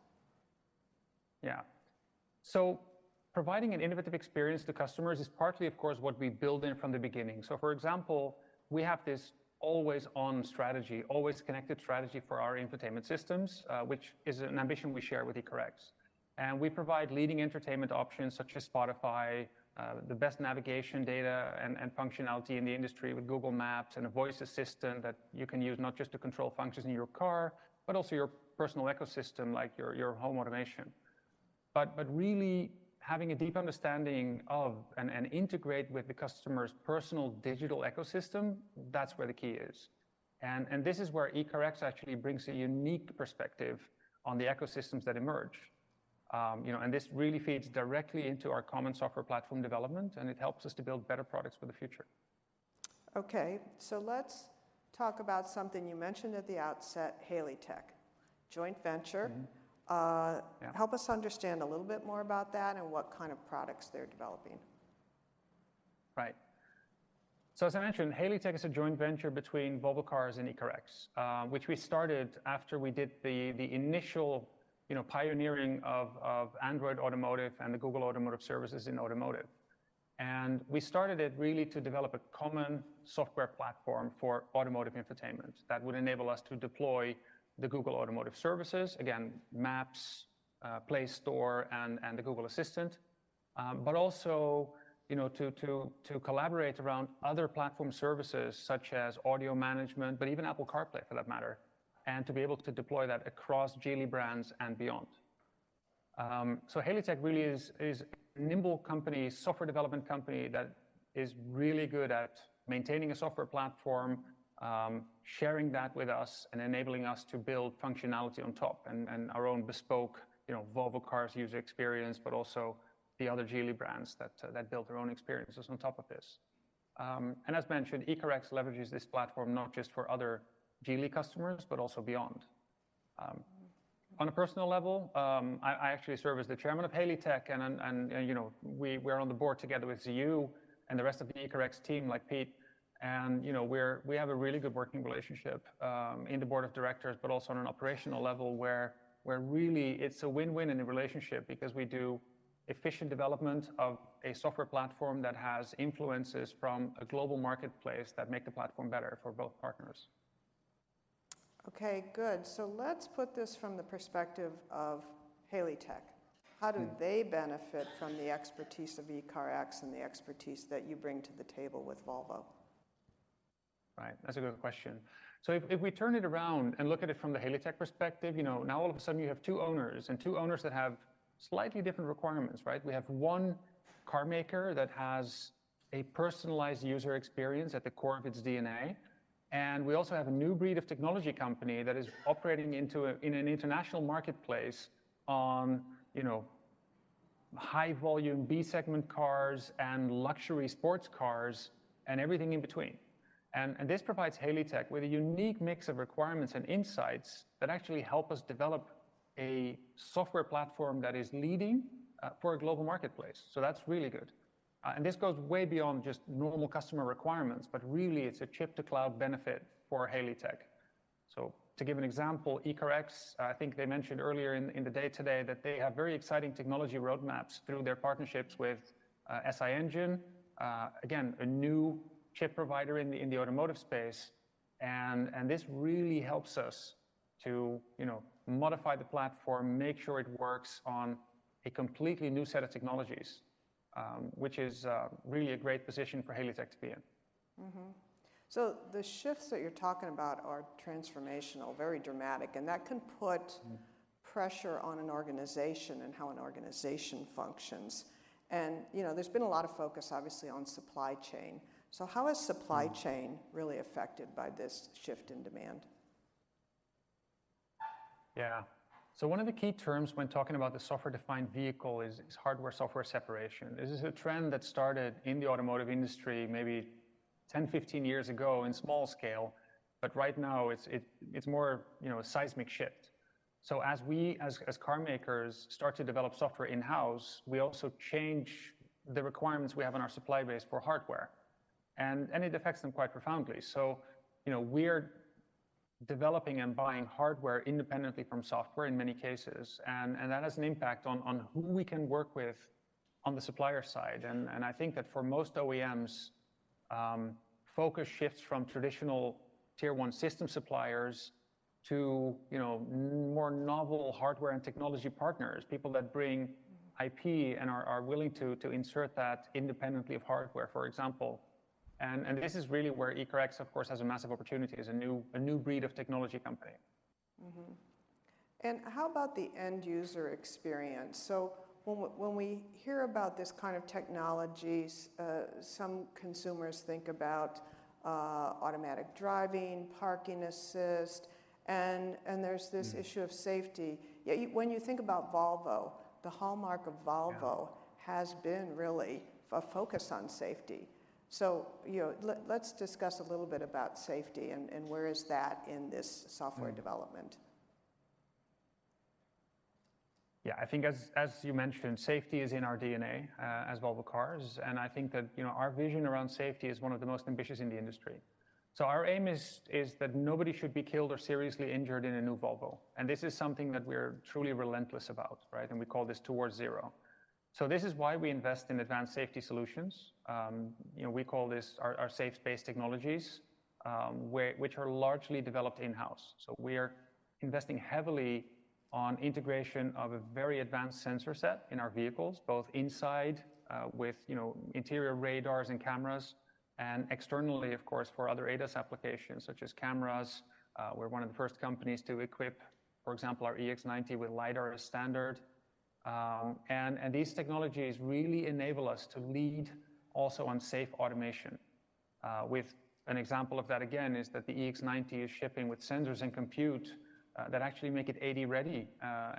Providing an innovative experience to customers is partly, of course, what we build in from the beginning. For example, we have this always-on strategy, always connected strategy for our infotainment systems, which is an ambition we share with ECARX. We provide leading entertainment options such as Spotify, the best navigation data and functionality in the industry with Google Maps and a voice assistant that you can use not just to control functions in your car, but also your personal ecosystem like your home automation. Really having a deep understanding of and integrate with the customer's personal digital ecosystem, that's where the key is. This is where ECARX actually brings a unique perspective on the ecosystems that emerge. You know, this really feeds directly into our common software platform development, and it helps us to build better products for the future. Okay. Let's talk about something you mentioned at the outset, HaleyTek, joint venture. Mm-hmm. Yeah. Help us understand a little bit more about that and what kind of products they're developing. As I mentioned, HaleyTek is a joint venture between Volvo Cars and ECARX, which we started after we did the initial, you know, pioneering of Android Automotive and the Google Automotive Services in automotive. We started it really to develop a common software platform for automotive infotainment that would enable us to deploy the Google Automotive Services, again, Maps, Play Store, and the Google Assistant, but also, you know, to collaborate around other platform services such as audio management, but even Apple CarPlay for that matter, and to be able to deploy that across Geely brands and beyond. HaleyTek really is nimble company, software development company that is really good at maintaining a software platform, sharing that with us and enabling us to build functionality on top and our own bespoke, you know, Volvo Cars user experience, but also the other Geely brands that build their own experiences on top of this. As mentioned, ECARX leverages this platform not just for other Geely customers, but also beyond. On a personal level, I actually serve as the Chairman of HaleyTek and, you know, we're on the board together with you and the rest of the ECARX team, like Pete, and, you know, we have a really good working relationship in the board of directors, but also on an operational level where really it's a win-win in the relationship because we do efficient development of a software platform that has influences from a global marketplace that make the platform better for both partners. Okay. Good. Let's put this from the perspective of HaleyTek. Mm-hmm. How do they benefit from the expertise of ECARX and the expertise that you bring to the table with Volvo? Right. That's a good question. If we turn it around and look at it from the HaleyTek perspective, you know, now all of a sudden you have two owners, and two owners that have slightly different requirements, right? We have one car maker that has a personalized user experience at the core of its DNA, and we also have a new breed of technology company that is operating in an international marketplace on, you know, high volume B segment cars and luxury sports cars and everything in between. This provides HaleyTek with a unique mix of requirements and insights that actually help us develop a software platform that is leading for a global marketplace. That's really good. This goes way beyond just normal customer requirements, but really it's a chip to cloud benefit for HaleyTek. To give an example, ECARX, I think they mentioned earlier in the day today that they have very exciting technology roadmaps through their partnerships with SiEngine, again, a new chip provider in the automotive space and this really helps us to, you know, modify the platform, make sure it works on a completely new set of technologies, which is really a great position for HaleyTek to be in. The shifts that you're talking about are transformational, very dramatic, and that can. Mm pressure on an organization and how an organization functions. You know, there's been a lot of focus obviously on supply chain. How is supply chain- Mm really affected by this shift in demand? Yeah. One of the key terms when talking about the software-defined vehicle is hardware-software separation. This is a trend that started in the automotive industry maybe 10, 15 years ago in small scale, but right now it's more, you know, a seismic shift. As car makers start to develop software in-house, we also change the requirements we have on our supply base for hardware and it affects them quite profoundly. You know, we're developing and buying hardware independently from software in many cases, and that has an impact on who we can work with on the supplier side. I think that for most OEMs, focus shifts from traditional tier one system suppliers to, you know, more novel hardware and technology partners, people that bring IP and are willing to insert that independently of hardware, for example. This is really where ECARX, of course, has a massive opportunity as a new breed of technology company. How about the end user experience? When we hear about this kind of technologies, some consumers think about automatic driving, parking assist, and there's this. Mm. issue of safety. Yeah, when you think about Volvo, the hallmark of Volvo- Yeah... has been really a focus on safety. You know, let's discuss a little bit about safety and where is that in this software development. I think as you mentioned, safety is in our DNA as Volvo Cars. I think that, you know, our vision around safety is one of the most ambitious in the industry. Our aim is that nobody should be killed or seriously injured in a new Volvo, and this is something that we're truly relentless about, right? We call this Towards Zero. This is why we invest in advanced safety solutions. You know, we call this our safe space technologies, which are largely developed in-house. We're investing heavily on integration of a very advanced sensor set in our vehicles, both inside, with, you know, interior radars and cameras, and externally, of course, for other ADAS applications, such as cameras. We're one of the first companies to equip, for example, our EX90 with LIDAR as standard. These technologies really enable us to lead also on safe automation, with an example of that again is that the EX90 is shipping with sensors and compute, that actually make it AD ready,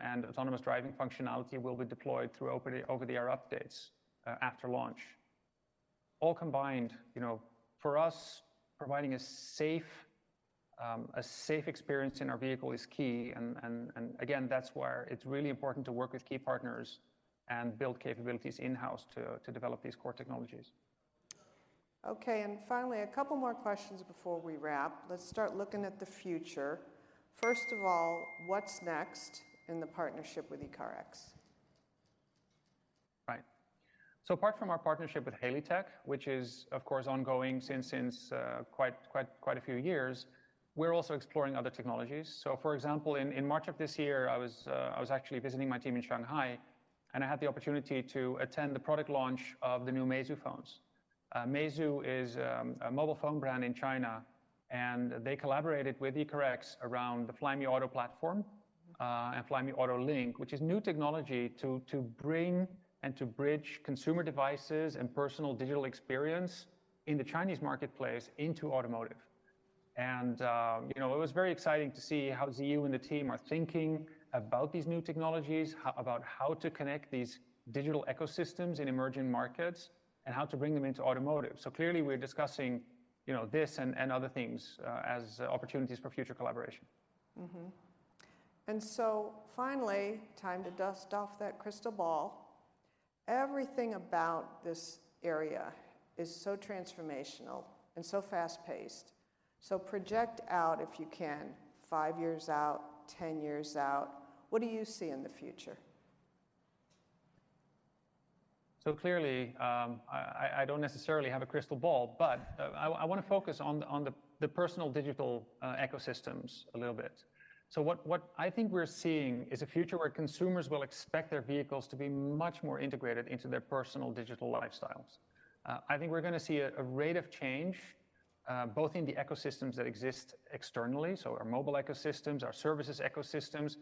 and autonomous driving functionality will be deployed through over-the-air updates, after launch. All combined, you know, for us, providing a safe, a safe experience in our vehicle is key and again, that's why it's really important to work with key partners and build capabilities in-house to develop these core technologies. Okay. Finally, a couple more questions before we wrap. Let's start looking at the future. First of all, what's next in the partnership with ECARX? Right. Apart from our partnership with HaleyTek, which is of course ongoing since quite a few years, we're also exploring other technologies. For example, in March of this year, I was actually visiting my team in Shanghai, and I had the opportunity to attend the product launch of the new Meizu phones. Meizu is a mobile phone brand in China, and they collaborated with ECARX around the Flyme Auto platform and Flyme Link, which is new technology to bring and to bridge consumer devices and personal digital experience in the Chinese marketplace into automotive. You know, it was very exciting to see how Ziyu and the team are thinking about these new technologies, about how to connect these digital ecosystems in emerging markets and how to bring them into automotive. Clearly, we're discussing, you know, this and other things as opportunities for future collaboration. Finally, time to dust off that crystal ball. Everything about this area is so transformational and so fast-paced. Project out, if you can, five years out, 10 years out, what do you see in the future? Clearly, I don't necessarily have a crystal ball, but I wanna focus on the personal digital ecosystems a little bit. What I think we're seeing is a future where consumers will expect their vehicles to be much more integrated into their personal digital lifestyles. I think we're gonna see a rate of change both in the ecosystems that exist externally, so our mobile ecosystems, our services ecosystems,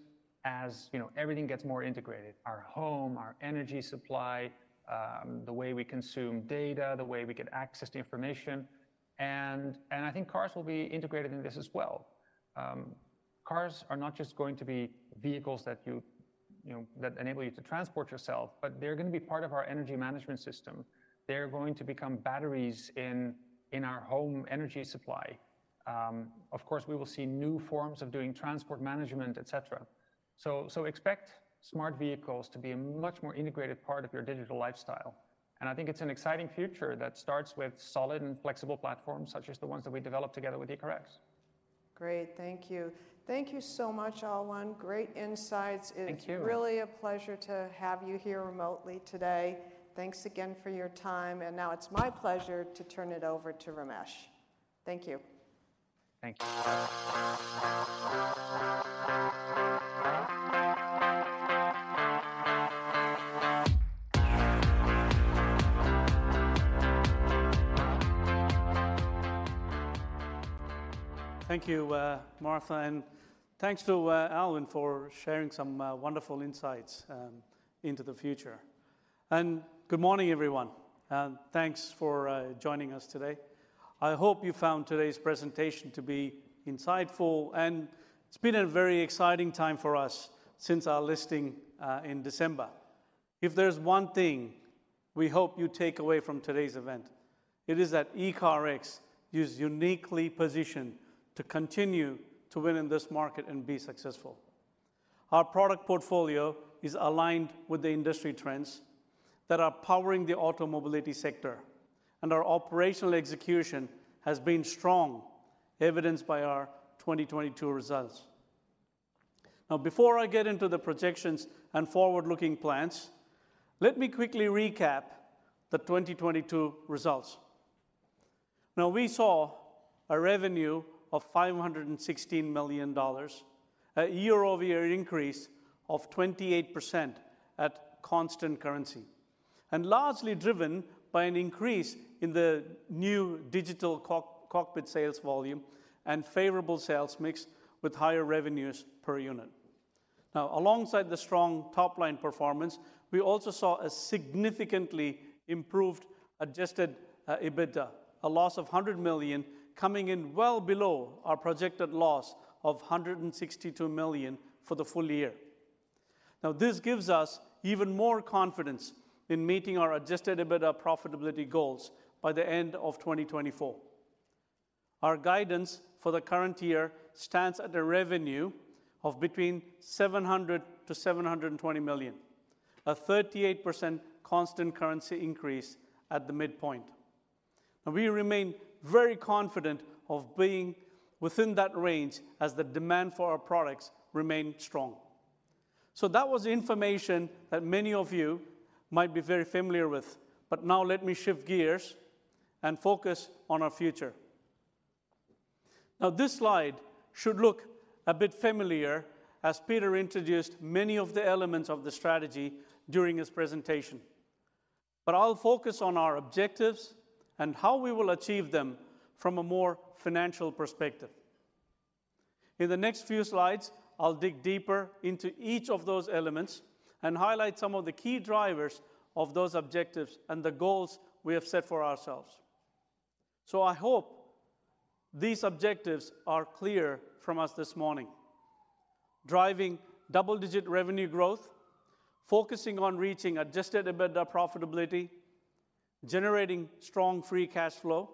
as, you know, everything gets more integrated, our home, our energy supply, the way we consume data, the way we can access the information, I think cars will be integrated in this as well. Cars are not just going to be vehicles that you know, that enable you to transport yourself, but they're gonna be part of our energy management system. They're going to become batteries in our home energy supply. Of course, we will see new forms of doing transport management, et cetera. Expect smart vehicles to be a much more integrated part of your digital lifestyle, and I think it's an exciting future that starts with solid and flexible platforms such as the ones that we develop together with ECARX. Great. Thank you. Thank you so much, Alwin. Great insights. Thank you. It's really a pleasure to have you here remotely today. Thanks again for your time, and now it's my pleasure to turn it over to Ramesh. Thank you. Thank you. Thank you, Martha, and thanks to Alwin for sharing some wonderful insights into the future. Good morning everyone, and thanks for joining us today. I hope you found today's presentation to be insightful, and it's been a very exciting time for us since our listing in December. If there's one thing we hope you take away from today's event, it is that ECARX is uniquely positioned to continue to win in this market and be successful. Our product portfolio is aligned with the industry trends that are powering the auto mobility sector, and our operational execution has been strong, evidenced by our 2022 results. Now, before I get into the projections and forward-looking plans, let me quickly recap the 2022 results. We saw a revenue of $516 million, a year-over-year increase of 28% at constant currency, largely driven by an increase in the new digital co-cockpit sales volume and favorable sales mix with higher revenues per unit. Alongside the strong top-line performance, we also saw a significantly improved adjusted EBITDA, a loss of $100 million coming in well below our projected loss of $162 million for the full year. This gives us even more confidence in meeting our adjusted EBITDA profitability goals by the end of 2024. Our guidance for the current year stands at a revenue of between $700 million-$720 million, a 38% constant currency increase at the midpoint. We remain very confident of being within that range as the demand for our products remain strong. That was information that many of you might be very familiar with, but now let me shift gears and focus on our future. This slide should look a bit familiar as Peter introduced many of the elements of the strategy during his presentation. I'll focus on our objectives and how we will achieve them from a more financial perspective. In the next few slides, I'll dig deeper into each of those elements and highlight some of the key drivers of those objectives and the goals we have set for ourselves. I hope these objectives are clear from us this morning. Driving double-digit revenue growth, focusing on reaching adjusted EBITDA profitability, generating strong free cash flow,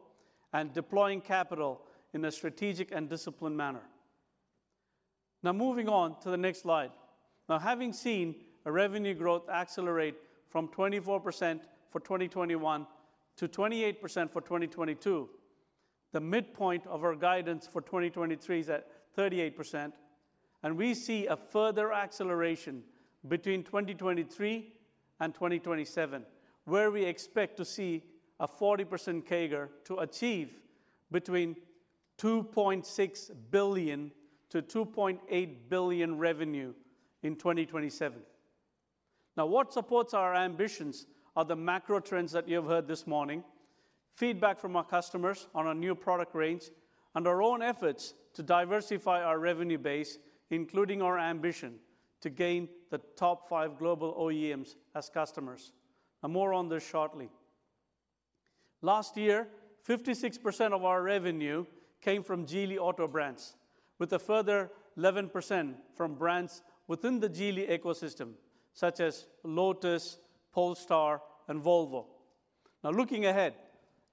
and deploying capital in a strategic and disciplined manner. Moving on to the next slide. Having seen a revenue growth accelerate from 24% for 2021-28% for 2022, the midpoint of our guidance for 2023 is at 38%. We see a further acceleration between 2023 and 2027, where we expect to see a 40% CAGR to achieve between $2.6 billion-$2.8 billion revenue in 2027. What supports our ambitions are the macro trends that you have heard this morning, feedback from our customers on our new product range, and our own efforts to diversify our revenue base, including our ambition to gain the top five global OEMs as customers. More on this shortly. Last year, 56% of our revenue came from Geely Auto brands, with a further 11% from brands within the Geely ecosystem, such as Lotus, Polestar and Volvo. Looking ahead,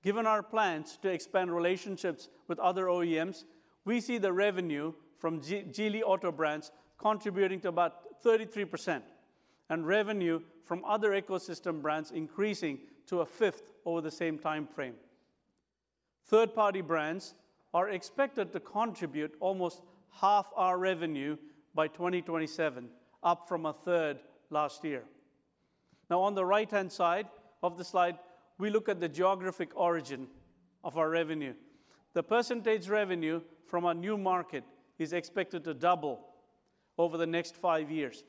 given our plans to expand relationships with other OEMs, we see the revenue from Geely Auto brands contributing to about 33% and revenue from other ecosystem brands increasing to 1/5 over the same timeframe. Third-party brands are expected to contribute almost half our revenue by 2027, up from a third last year. On the right-hand side of the slide, we look at the geographic origin of our revenue. The percentage revenue from our new market is expected to double over the next five years,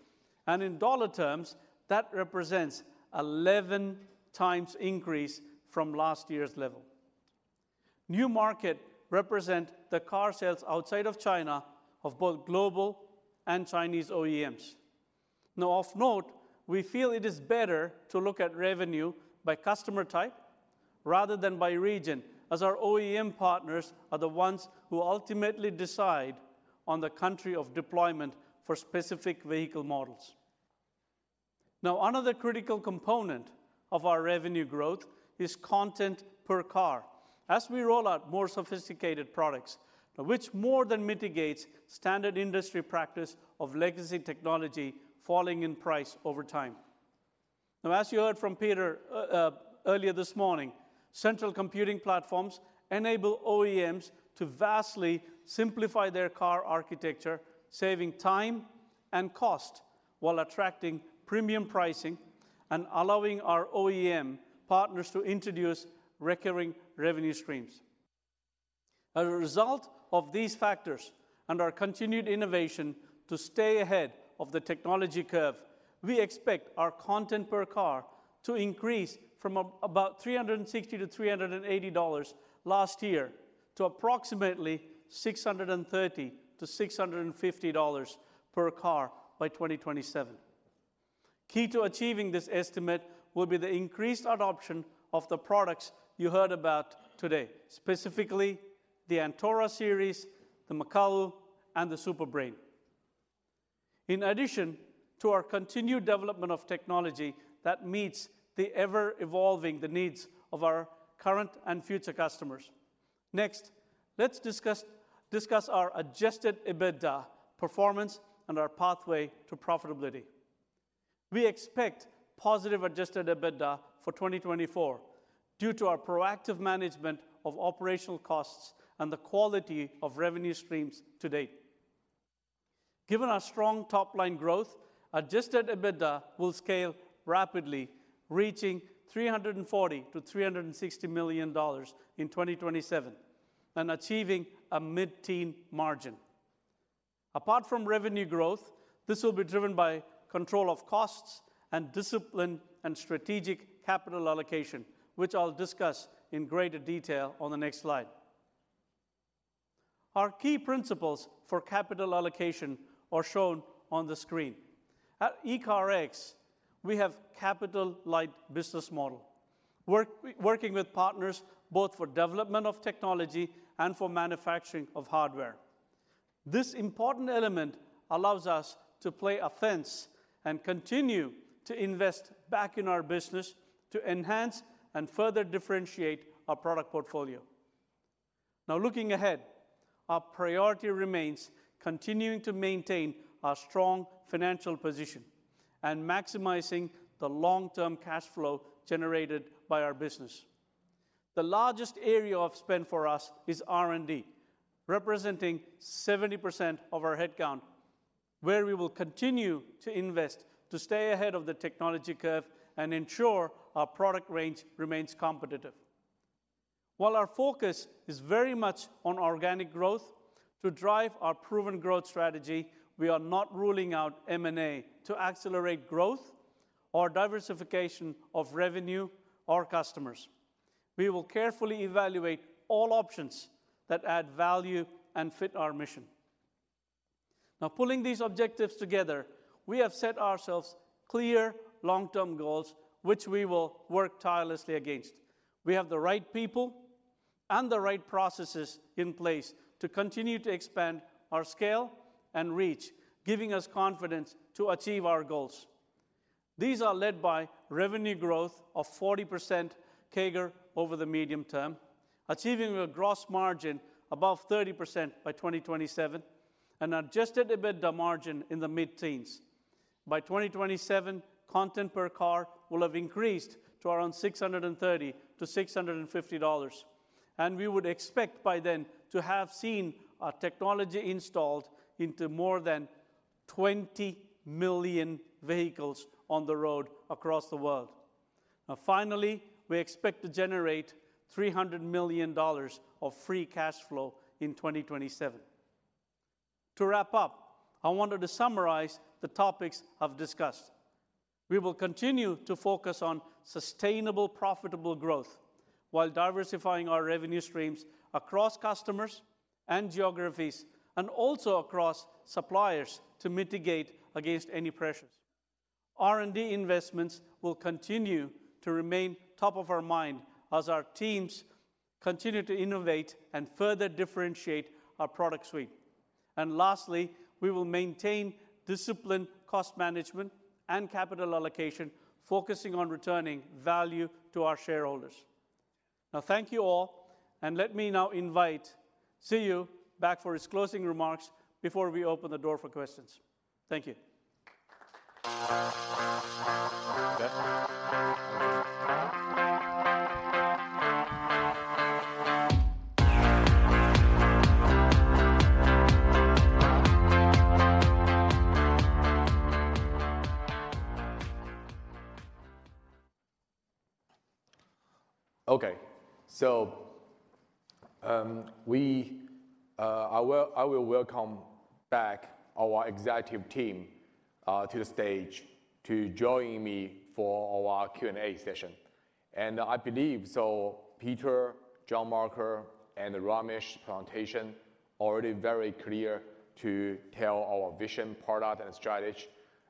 and in dollar terms, that represents 11x increase from last year's level. New market represent the car sales outside of China of both global and Chinese OEMs. Of note, we feel it is better to look at revenue by customer type rather than by region, as our OEM partners are the ones who ultimately decide on the country of deployment for specific vehicle models. Another critical component of our revenue growth is content per car. As we roll out more sophisticated products, which more than mitigates standard industry practice of legacy technology falling in price over time. As you heard from Peter earlier this morning, central computing platforms enable OEMs to vastly simplify their car architecture, saving time and cost while attracting premium pricing and allowing our OEM partners to introduce recurring revenue streams. As a result of these factors and our continued innovation to stay ahead of the technology curve, we expect our content per car to increase from about $360-$380 last year to approximately $630-$650 per car by 2027. Key to achieving this estimate will be the increased adoption of the products you heard about today, specifically the Antora series, the Makalu, and the Super Brain. In addition to our continued development of technology that meets the ever-evolving needs of our current and future customers. Next, let's discuss our adjusted EBITDA performance and our pathway to profitability. We expect positive adjusted EBITDA for 2024 due to our proactive management of operational costs and the quality of revenue streams to date. Given our strong top-line growth, adjusted EBITDA will scale rapidly, reaching $340 million-$360 million in 2027 and achieving a mid-teen margin. Apart from revenue growth, this will be driven by control of costs and discipline and strategic capital allocation, which I'll discuss in greater detail on the next slide. Our key principles for capital allocation are shown on the screen. At ECARX, we have capital-light business model, working with partners both for development of technology and for manufacturing of hardware. This important element allows us to play offense and continue to invest back in our business to enhance and further differentiate our product portfolio. Looking ahead, our priority remains continuing to maintain our strong financial position and maximizing the long-term cash flow generated by our business. The largest area of spend for us is R&D, representing 70% of our headcount, where we will continue to invest to stay ahead of the technology curve and ensure our product range remains competitive. While our focus is very much on organic growth, to drive our proven growth strategy, we are not ruling out M&A to accelerate growth or diversification of revenue or customers. We will carefully evaluate all options that add value and fit our mission. Now, pulling these objectives together, we have set ourselves clear long-term goals which we will work tirelessly against. We have the right people and the right processes in place to continue to expand our scale and reach, giving us confidence to achieve our goals. These are led by revenue growth of 40% CAGR over the medium term, achieving a gross margin above 30% by 2027 and adjusted EBITDA margin in the mid-teens. By 2027, content per car will have increased to around $630-$650, and we would expect by then to have seen our technology installed into more than 20 million vehicles on the road across the world. Finally, we expect to generate $300 million of free cash flow in 2027. To wrap up, I wanted to summarize the topics I've discussed. We will continue to focus on sustainable, profitable growth while diversifying our revenue streams across customers and geographies and also across suppliers to mitigate against any pressures. R&D investments will continue to remain top of our mind as our teams continue to innovate and further differentiate our product suite. Lastly, we will maintain disciplined cost management and capital allocation, focusing on returning value to our shareholders. Thank you all, and let me now invite Ziyu back for his closing remarks before we open the door for questions. Thank you. Okay. We, I will welcome back our executive team to the stage to join me for our Q&A session. I believe, so Peter, John Marcus, and Ramesh presentation already very clear to tell our vision, product, and strategy.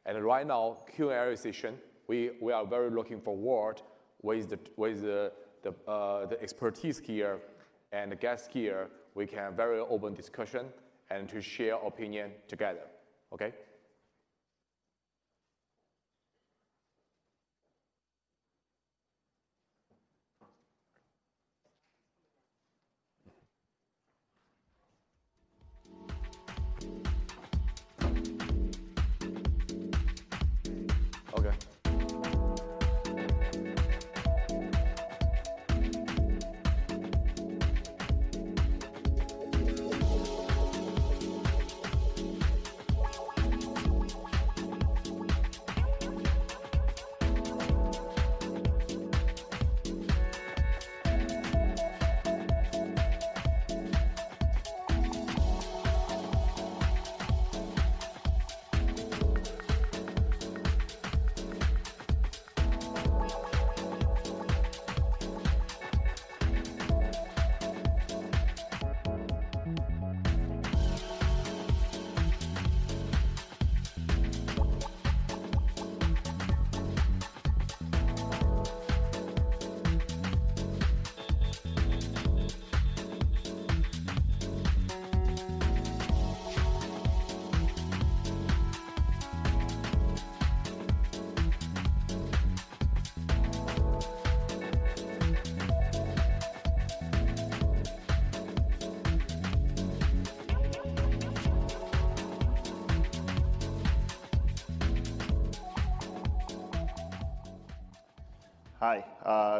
Right now, Q&A session, we are very looking forward with the expertise here and the guests here, we can have very open discussion and to share opinion together. Okay. Okay. Hi,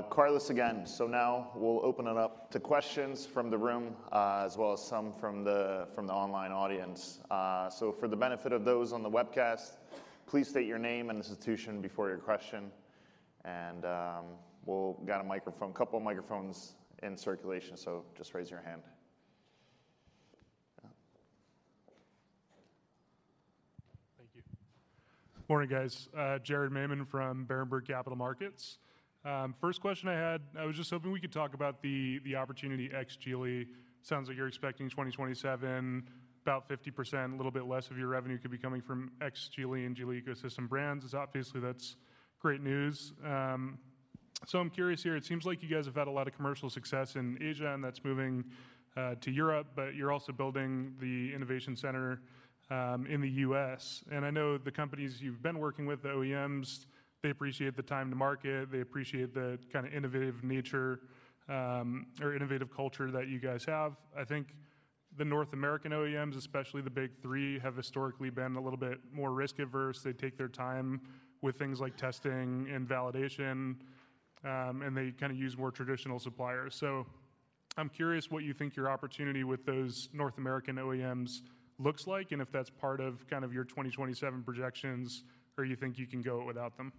Carlos again. Now we'll open it up to questions from the room, as well as some from the, from the online audience. For the benefit of those on the webcast, please state your name and institution before your question. We'll got a microphone, couple microphones in circulation, so just raise your hand. Yeah. Thank you. Morning, guys. Jared Maymon from Berenberg Capital Markets. First question I had, I was just hoping we could talk about the opportunity ex-Geely. Sounds like you're expecting 2027, about 50%, a little bit less of your revenue could be coming from ex-Geely and Geely ecosystem brands, as obviously that's great news. I'm curious here, it seems like you guys have had a lot of commercial success in Asia, and that's moving to Europe, but you're also building the innovation center in the U.S. I know the companies you've been working with, the OEMs, they appreciate the time to market, they appreciate the kinda innovative nature, or innovative culture that you guys have. I think the North American OEMs, especially the big three, have historically been a little bit more risk-averse. They take their time with things like testing and validation, and they kinda use more traditional suppliers. I'm curious what you think your opportunity with those North American OEMs looks like, and if that's part of kind of your 2027 projections, or you think you can go it without them.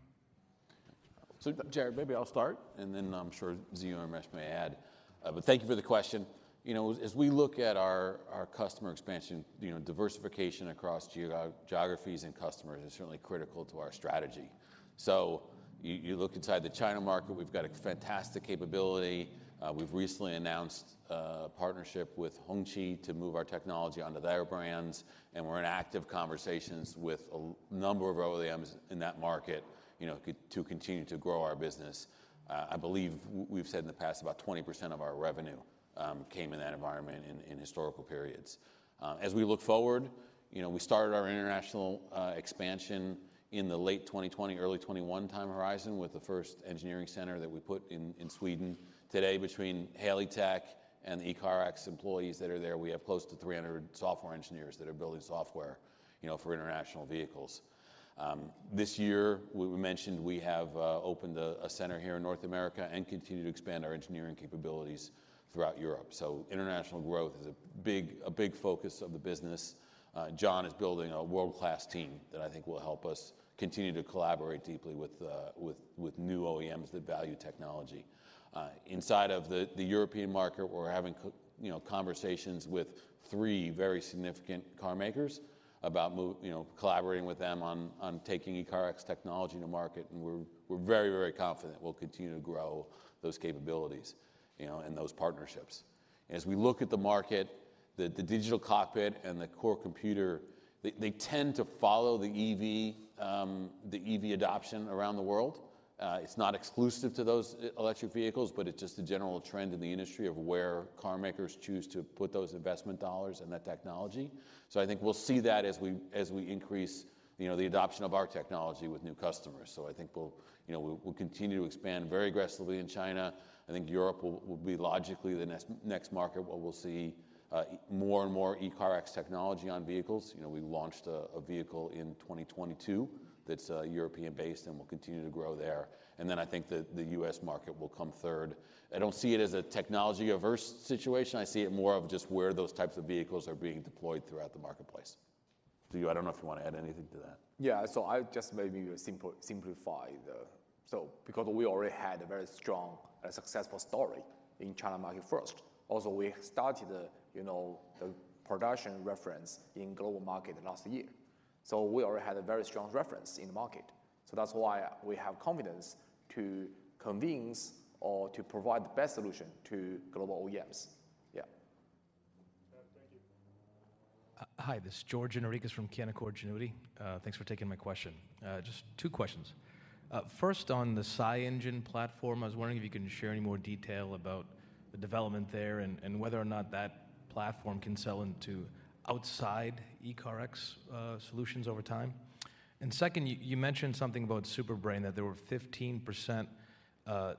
Jared, maybe I'll start, and then I'm sure Ziyu or Ramesh may add. But thank you for the question. You know, as we look at our customer expansion, you know, diversification across geographies and customers is certainly critical to our strategy. You, you look inside the China market, we've got a fantastic capability. We've recently announced a partnership with Hongqi to move our technology onto their brands, and we're in active conversations with a number of OEMs in that market, you know, to continue to grow our business. I believe we've said in the past about 20% of our revenue came in that environment in historical periods. As we look forward, you know, we started our international expansion in the late 2020, early 2021 time horizon with the first engineering center that we put in Sweden. Today, between HaleyTek and the ECARX employees that are there, we have close to 300 software engineers that are building software, you know, for international vehicles. This year we mentioned we have opened a center here in North America and continue to expand our engineering capabilities throughout Europe. International growth is a big focus of the business. John is building a world-class team that I think will help us continue to collaborate deeply with new OEMs that value technology. inside of the European market, we're having you know, conversations with three very significant car makers about you know, collaborating with them on taking ECARX technology to market, we're very, very confident we'll continue to grow those capabilities, you know, and those partnerships. As we look at the market, the digital cockpit and the core computer, they tend to follow the EV adoption around the world. It's not exclusive to those electric vehicles, but it's just a general trend in the industry of where car makers choose to put those investment dollars and that technology. I think we'll see that as we increase, you know, the adoption of our technology with new customers. I think we'll, you know, we'll continue to expand very aggressively in China. I think Europe will be logically the next market where we'll see more and more ECARX technology on vehicles. You know, we launched a vehicle in 2022 that's European-based and will continue to grow there. I think that the U.S. market will come third. I don't see it as a technology-averse situation. I see it more of just where those types of vehicles are being deployed throughout the marketplace. Ziyu, I don't know if you want to add anything to that. Yeah. I just maybe simplify. Because we already had a very strong successful story in China market first. Also, we started, you know, the production reference in global market last year. We already had a very strong reference in the market. That's why we have confidence to convince or to provide the best solution to global OEMs. Yeah. Thank you. Hi. This is George Gianarikas from Canaccord Genuity. Thanks for taking my question. Just two questions. First on the SiEngine platform, I was wondering if you can share any more detail about the development there and whether or not that platform can sell into outside ECARX solutions over time. Second, you mentioned something about Super Brain, that there were 15%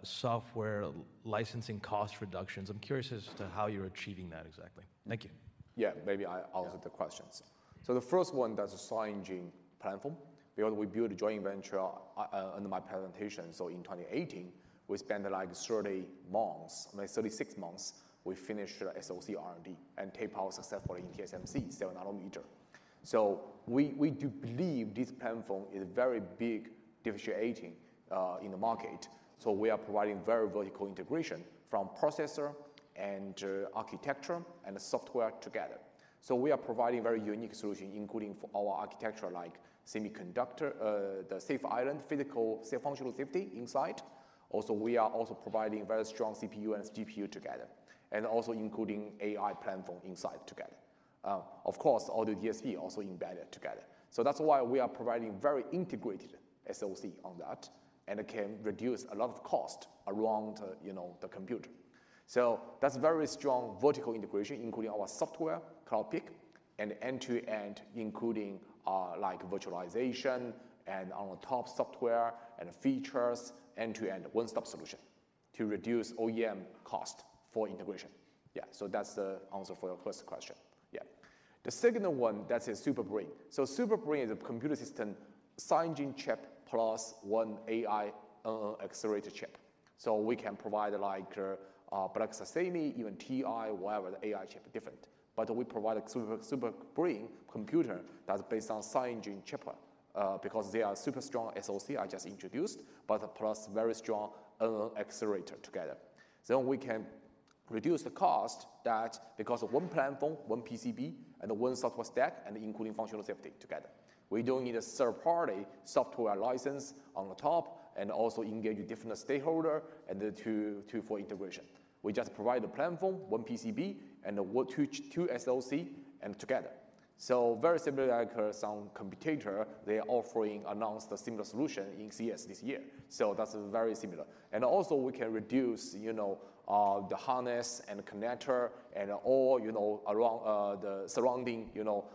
software licensing cost reductions. I'm curious as to how you're achieving that exactly. Thank you. Yeah. Maybe. Yeah answer the questions. The first one, that's SiEngine platform. We built a joint venture under my presentation. In 2018, we spent like 30 months, like 36 months, we finished the SoC R&D and tape out successfully in TSMC 7 nanometer. We do believe this platform is very big differentiating in the market, so we are providing very vertical integration from processor and architecture and the software together. We are providing very unique solution, including for our architecture like semiconductor, the safety island, physical safe functional safety inside. Also, we are also providing very strong CPU and GPU together, and also including AI platform inside together. Of course, all the DSP also embedded together. That's why we are providing very integrated SoC on that, and it can reduce a lot of cost around, you know, the computer. That's very strong vertical integration, including our software, Cloudpeak, and end-to-end, including, like virtualization and on top software and features, end-to-end one-stop solution to reduce OEM cost for integration. That's the answer for your first question. The second one, that's a Super Brain. Super Brain is a computer system, SiEngine chip plus one AI accelerator chip. We can provide like Black Sesame, even TI, whatever the AI chip different. We provide a Super Brain computer that's based on SiEngine chip, because they are super strong SoC I just introduced, plus very strong LLM accelerator together. We can reduce the cost that because of one platform, one PCB, and one software stack, and including functional safety together. We don't need a third-party software license on the top, and also engage a different stakeholder and the two for integration. We just provide the platform, one PCB, and the two SoC and together. Very similar like some competitor, they are offering, announced a similar solution in CES this year. That's very similar. Also we can reduce, you know, the harness and connector and all, you know, around the surrounding, you know,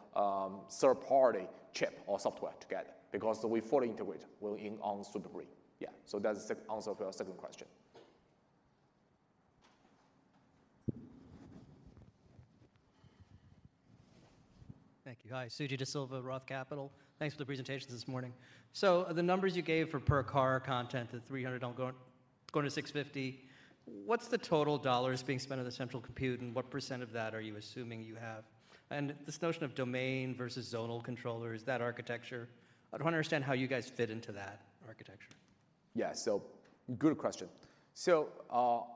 third-party chip or software together because we fully integrate well in, on Super Brain. Yeah. That's the answer for your second question. Thank you. Hi. Suji DeSilva, Roth Capital. Thanks for the presentations this morning. The numbers you gave for per car content, the $300 going to $650, what's the total dollars being spent on the central compute, and what % of that are you assuming you have? This notion of domain versus zonal controller, is that architecture? I don't understand how you guys fit into that architecture. Good question.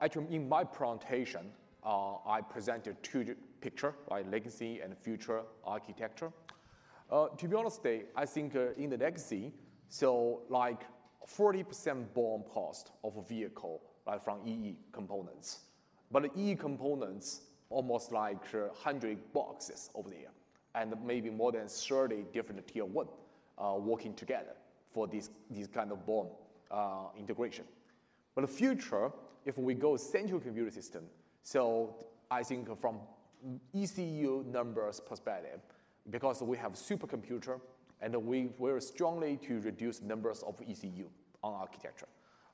Actually, in my presentation, I presented two picture, right? Legacy and future architecture. To be honest, I think in the legacy, like 40% BOM cost of a vehicle, right from EE components. EE components almost like 100 boxes over there, and maybe more than 30 different tier one working together for this kind of BOM integration. The future, if we go central computer system, I think from ECU numbers perspective, because we have supercomputer and we're strongly to reduce numbers of ECU on architecture.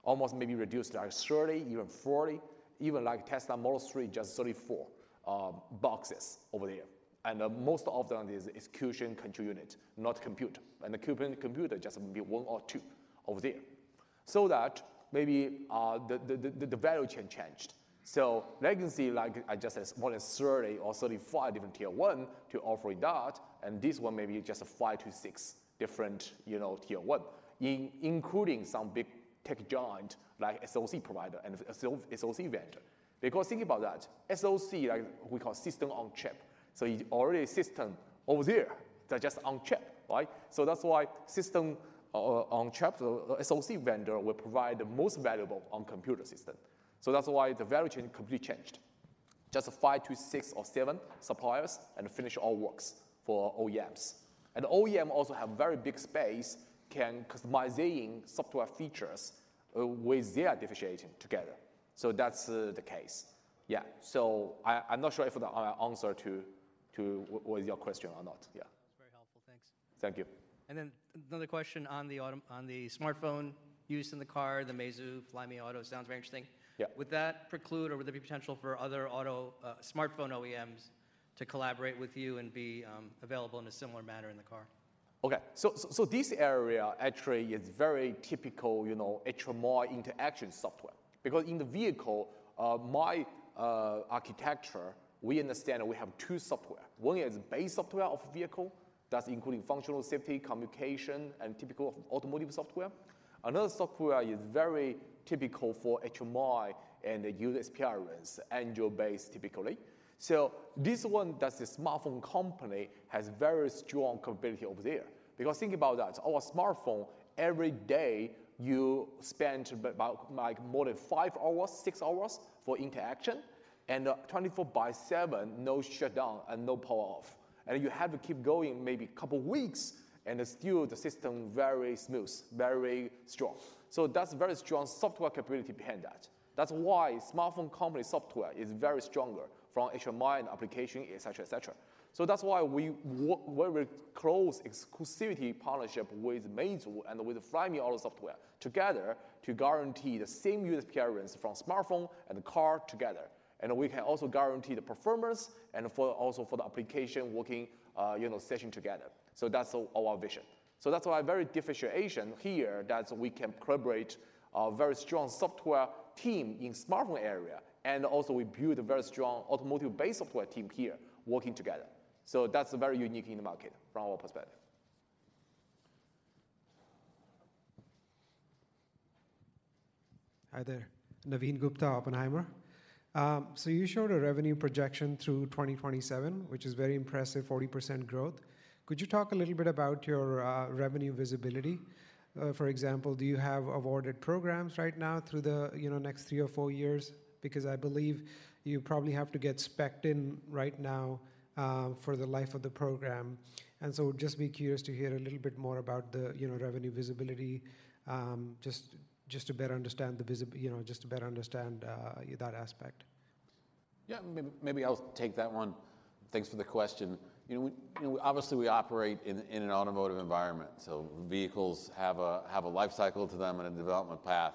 Almost maybe reduced like 30, even 40, even like Tesla Model 3, just 34 boxes over there. Most of them is execution control unit, not compute. The computer just maybe one or two over there. That maybe the value chain changed. Legacy, like I just said, more than 30 or 35 different Tier 1 to offer that, and this one maybe just five to six different, you know, Tier 1 including some big tech giant like SoC provider and SoC vendor. Think about that, SoC, like we call system on chip, already system over there, they're just on chip, right? That's why system on chip, SoC vendor will provide the most valuable on computer system. That's why the value chain completely changed. Just five to six or seven suppliers, and finish all works for OEMs. OEM also have very big space, can customizing software features with their differentiation together. That's the case. Yeah. I'm not sure if that answer to was your question or not. Yeah. That's very helpful. Thanks. Thank you. another question on the smartphone use in the car, the Meizu Flyme Auto sounds very interesting. Yeah. Would that preclude or would there be potential for other auto, smartphone OEMs to collaborate with you and be available in a similar manner in the car? Okay. So this area actually is very typical, you know, HMI interaction software. Because in the vehicle architecture, we understand that we have two software. One is base software of vehicle, that's including functional safety, communication, and typical of automotive software. Another software is very typical for HMI and user experience, Android-based typically. This one that's a smartphone company has very strong capability over there. Because think about that, our smartphone, every day you spend about like more than five hours, six hours for interaction, and 24/7, no shutdown and no power off. You have to keep going maybe couple weeks, and still the system very smooth, very strong. That's very strong software capability behind that. That's why smartphone company software is very stronger from HMI and application, et cetera, et cetera. That's why we were very close exclusivity partnership with Meizu and with Flyme Auto software together to guarantee the same user experience from smartphone and car together. We can also guarantee the performance and for also for the application working, you know, session together. That's our vision. That's why very differentiation here that we can collaborate a very strong software team in smartphone area, and also we build a very strong automotive-based software team here working together. That's very unique in the market from our perspective. Hi there. Navin Gupta, Oppenheimer. You showed a revenue projection through 2027, which is very impressive, 40% growth. Could you talk a little bit about your revenue visibility? For example, do you have awarded programs right now through the, you know, next three or four years? Because I believe you probably have to get specced in right now for the life of the program. Just would be curious to hear a little bit more about the, you know, revenue visibility, just to better understand, you know, just to better understand that aspect. Yeah. Maybe I'll take that one. Thanks for the question. You know, we, you know, obviously we operate in an automotive environment, so vehicles have a life cycle to them and a development path.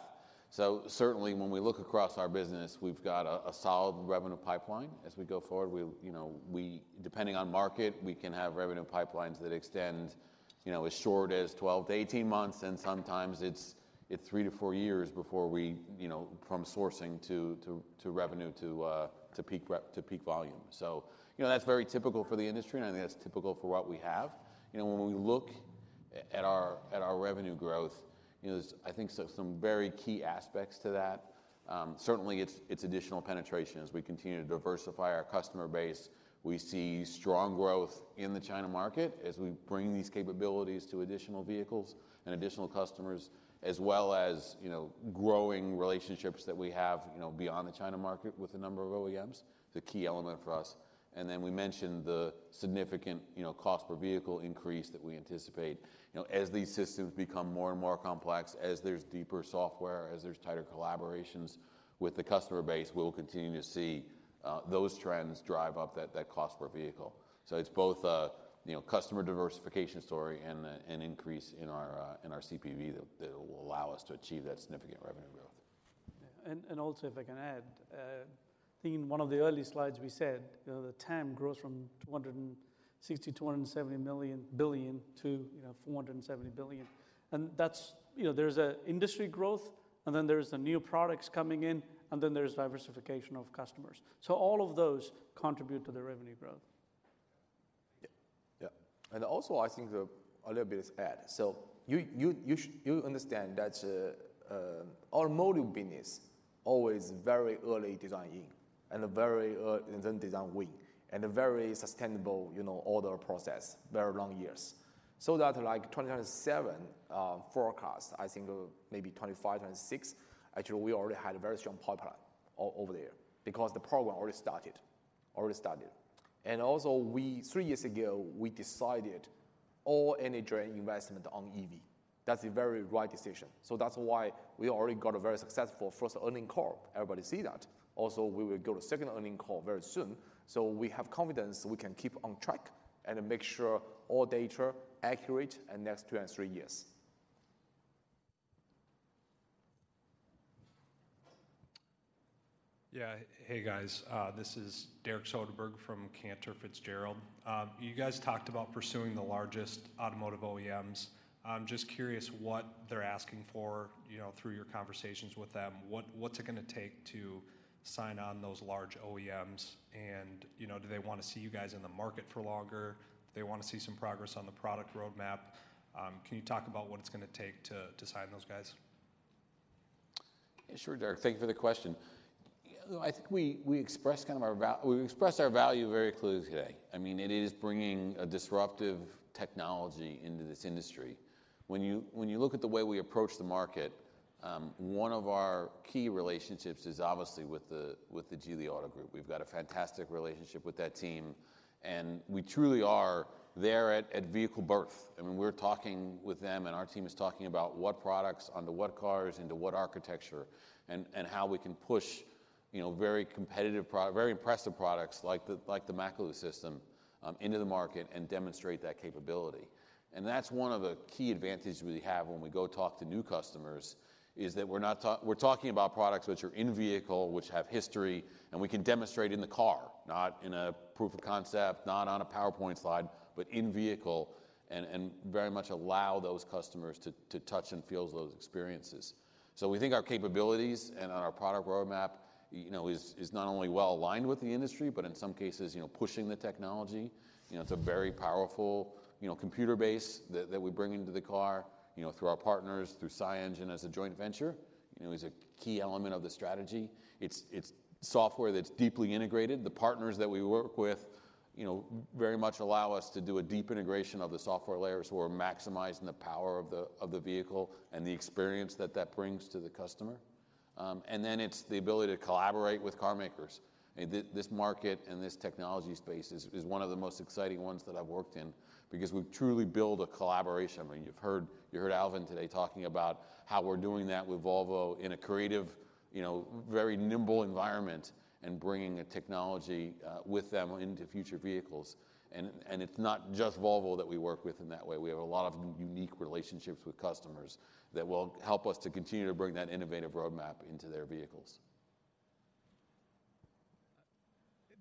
Certainly when we look across our business, we've got a solid revenue pipeline. As we go forward, we, you know, we depending on market, we can have revenue pipelines that extend, you know, as short as 12 to 18 months, and sometimes it's three to four years before we, you know, from sourcing to revenue to peak volume. You know, that's very typical for the industry, and I think that's typical for what we have. You know, when we look at our, at our revenue growth, you know, there's I think some very key aspects to that. Certainly it's additional penetration. As we continue to diversify our customer base, we see strong growth in the China market as we bring these capabilities to additional vehicles and additional customers, as well as, you know, growing relationships that we have, you know, beyond the China market with a number of OEMs, the key element for us. Then we mentioned the significant, you know, cost per vehicle increase that we anticipate. You know, as these systems become more and more complex, as there's deeper software, as there's tighter collaborations with the customer base, we will continue to see those trends drive up that cost per vehicle. It's both a, you know, customer diversification story and an increase in our CPV that will allow us to achieve that significant revenue growth. Also, if I can add, I think in one of the early slides we said, you know, the TAM grows from $260 billion-$270 billion to, you know, $470 billion. That's, you know, there's a industry growth, and then there's the new products coming in, and then there's diversification of customers. All of those contribute to the revenue growth. Yeah. Yeah. Also, I think a little bit is add. You understand that our module business always very early design in and very early design win, and a very sustainable, you know, order process, very long years. That like 2027 forecast, I think maybe 2025, 2026, actually we already had a very strong pipeline over there because the program already started. Already started. Also, we, three years ago, we decided all energy investment on EV. That's a very right decision. That's why we already got a very successful first earning call. Everybody see that. We will go to second earning call very soon. We have confidence we can keep on track and make sure all data accurate in next two and three years. Yeah. Hey, guys. This is Derek Soderberg from Cantor Fitzgerald. You guys talked about pursuing the largest automotive OEMs. I'm just curious what they're asking for, you know, through your conversations with them. What's it gonna take to sign on those large OEMs? You know, do they wanna see you guys in the market for longer? Do they wanna see some progress on the product roadmap? Can you talk about what it's gonna take to sign those guys? Yeah, sure, Derek. Thank you for the question. You know, I think we expressed kind of our value very clearly today. I mean, it is bringing a disruptive technology into this industry. When you, when you look at the way we approach the market, one of our key relationships is obviously with the Geely Auto Group. We've got a fantastic relationship with that team, and we truly are there at vehicle birth. I mean, we're talking with them, and our team is talking about what products onto what cars into what architecture and how we can push, you know, very competitive very impressive products like the Makalu system into the market and demonstrate that capability. That's one of the key advantage we have when we go talk to new customers, is that we're talking about products which are in vehicle, which have history, and we can demonstrate in the car, not in a proof of concept, not on a PowerPoint slide, but in vehicle and very much allow those customers to touch and feel those experiences. We think our capabilities and our product roadmap, you know, is not only well aligned with the industry, but in some cases, you know, pushing the technology. You know, it's a very powerful, you know, computer base that we bring into the car, you know, through our partners, through SiEngine as a joint venture, you know, is a key element of the strategy. It's software that's deeply integrated. The partners that we work with, you know, very much allow us to do a deep integration of the software layers. We're maximizing the power of the vehicle and the experience that brings to the customer. It's the ability to collaborate with car makers. I mean, this market and this technology space is one of the most exciting ones that I've worked in because we truly build a collaboration. I mean, you've heard Alvin today talking about how we're doing that with Volvo in a creative, you know, very nimble environment and bringing a technology with them into future vehicles. It's not just Volvo that we work with in that way. We have a lot of unique relationships with customers that will help us to continue to bring that innovative roadmap into their vehicles.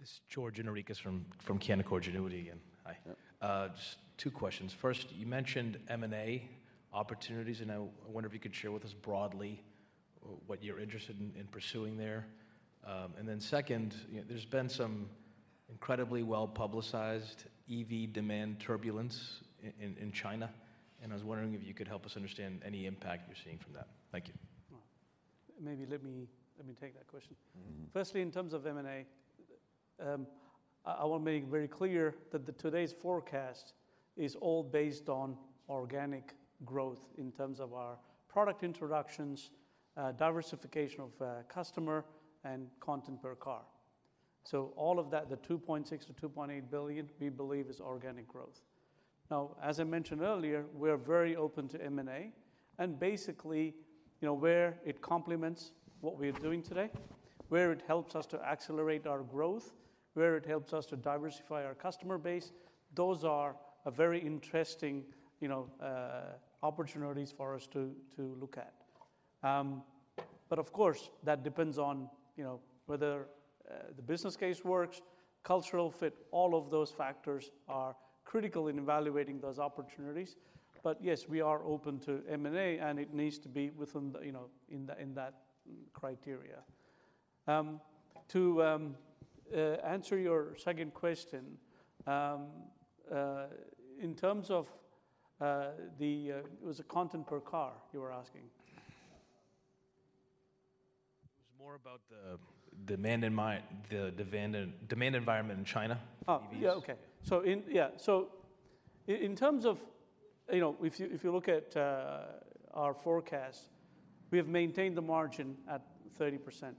This is George Gianarikas from Canaccord Genuity, and hi. Yeah. Just two questions. First, you mentioned M&A opportunities, and I wonder if you could share with us broadly what you're interested in pursuing there. Second, you know, there's been Incredibly well-publicized EV demand turbulence in China. I was wondering if you could help us understand any impact you're seeing from that. Thank you. Well, maybe let me take that question. Mm-hmm. Firstly, in terms of M&A, I want to make very clear that today's forecast is all based on organic growth in terms of our product introductions, diversification of customer and content per car. All of that, the $2.6 billion-$2.8 billion, we believe is organic growth. As I mentioned earlier, we're very open to M&A, and basically, you know, where it complements what we're doing today, where it helps us to accelerate our growth, where it helps us to diversify our customer base, those are a very interesting, you know, opportunities for us to look at. Of course, that depends on, you know, whether the business case works, cultural fit, all of those factors are critical in evaluating those opportunities. Yes, we are open to M&A, and it needs to be within the, you know, in that criteria. To answer your second question, in terms of the, it was a content per car you were asking? It was more about the demand environment in China for EVs. Yeah, okay. In terms of, you know, if you look at our forecast, we have maintained the margin at 30%.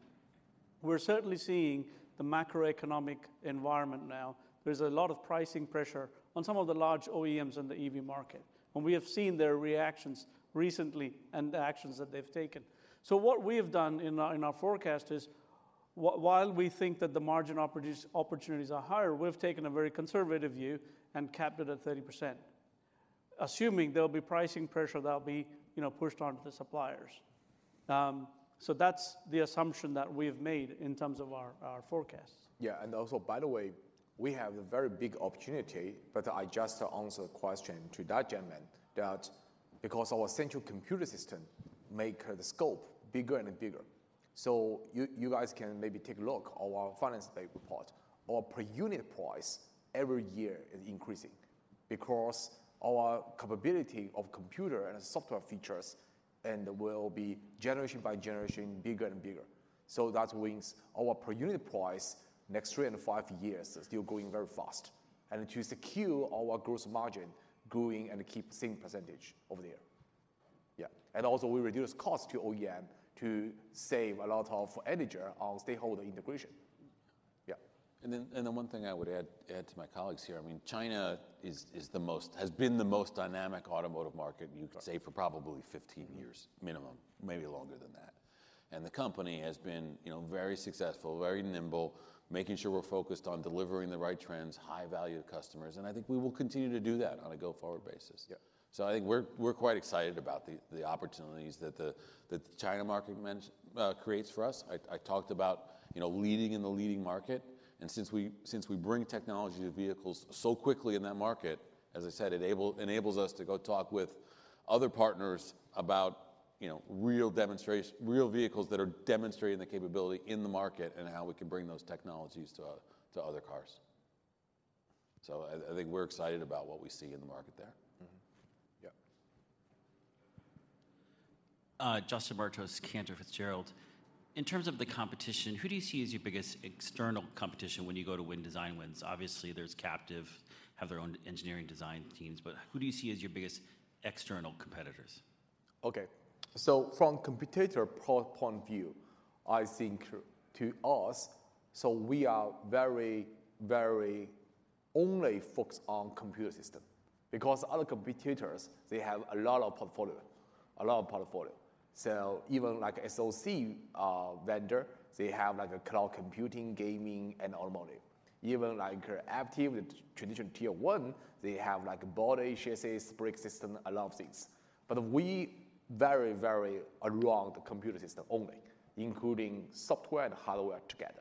We're certainly seeing the macroeconomic environment now. There's a lot of pricing pressure on some of the large OEMs in the EV market, and we have seen their reactions recently and the actions that they've taken. What we have done in our forecast is while we think that the margin opportunities are higher, we've taken a very conservative view and capped it at 30%, assuming there'll be pricing pressure that'll be, you know, pushed onto the suppliers. That's the assumption that we've made in terms of our forecast. Yeah. Also, by the way, we have a very big opportunity, but I just answer the question to that gentleman. Because our central computer system make the scope bigger and bigger. You guys can maybe take a look our financial statement report. Our per unit price every year is increasing because our capability of computer and software features and will be generation by generation bigger and bigger. That means our per unit price next three and five years is still growing very fast. To secure our gross margin growing and keep same percentage over the year. Yeah. Also we reduce cost to OEM to save a lot of energy on stakeholder integration. Yeah. One thing I would add to my colleagues here, I mean, China is has been the most dynamic automotive market... Right ...you can say for probably 15 years minimum, maybe longer than that. The company has been, you know, very successful, very nimble, making sure we're focused on delivering the right trends, high value to customers, and I think we will continue to do that on a go-forward basis. Yeah. I think we're quite excited about the opportunities that the China market creates for us. I talked about, you know, leading in the leading market, and since we bring technology to vehicles so quickly in that market, as I said, it enables us to go talk with other partners about, you know, real vehicles that are demonstrating the capability in the market and how we can bring those technologies to other cars. I think we're excited about what we see in the market there. Mm-hmm. Yep. Justin Martos, Cantor Fitzgerald. In terms of the competition, who do you see as your biggest external competition when you go to win design wins? Obviously, there's captive, have their own engineering design teams, but who do you see as your biggest external competitors? Okay. From competitor point of view, I think to us, so we are very only focused on computer system because other competitors, they have a lot of portfolio. Even like SoC vendor, they have like a cloud computing, gaming, and automotive. Even like our active traditional tier one, they have like board, chassis, brake system, a lot of things. We very around the computer system only, including software and hardware together.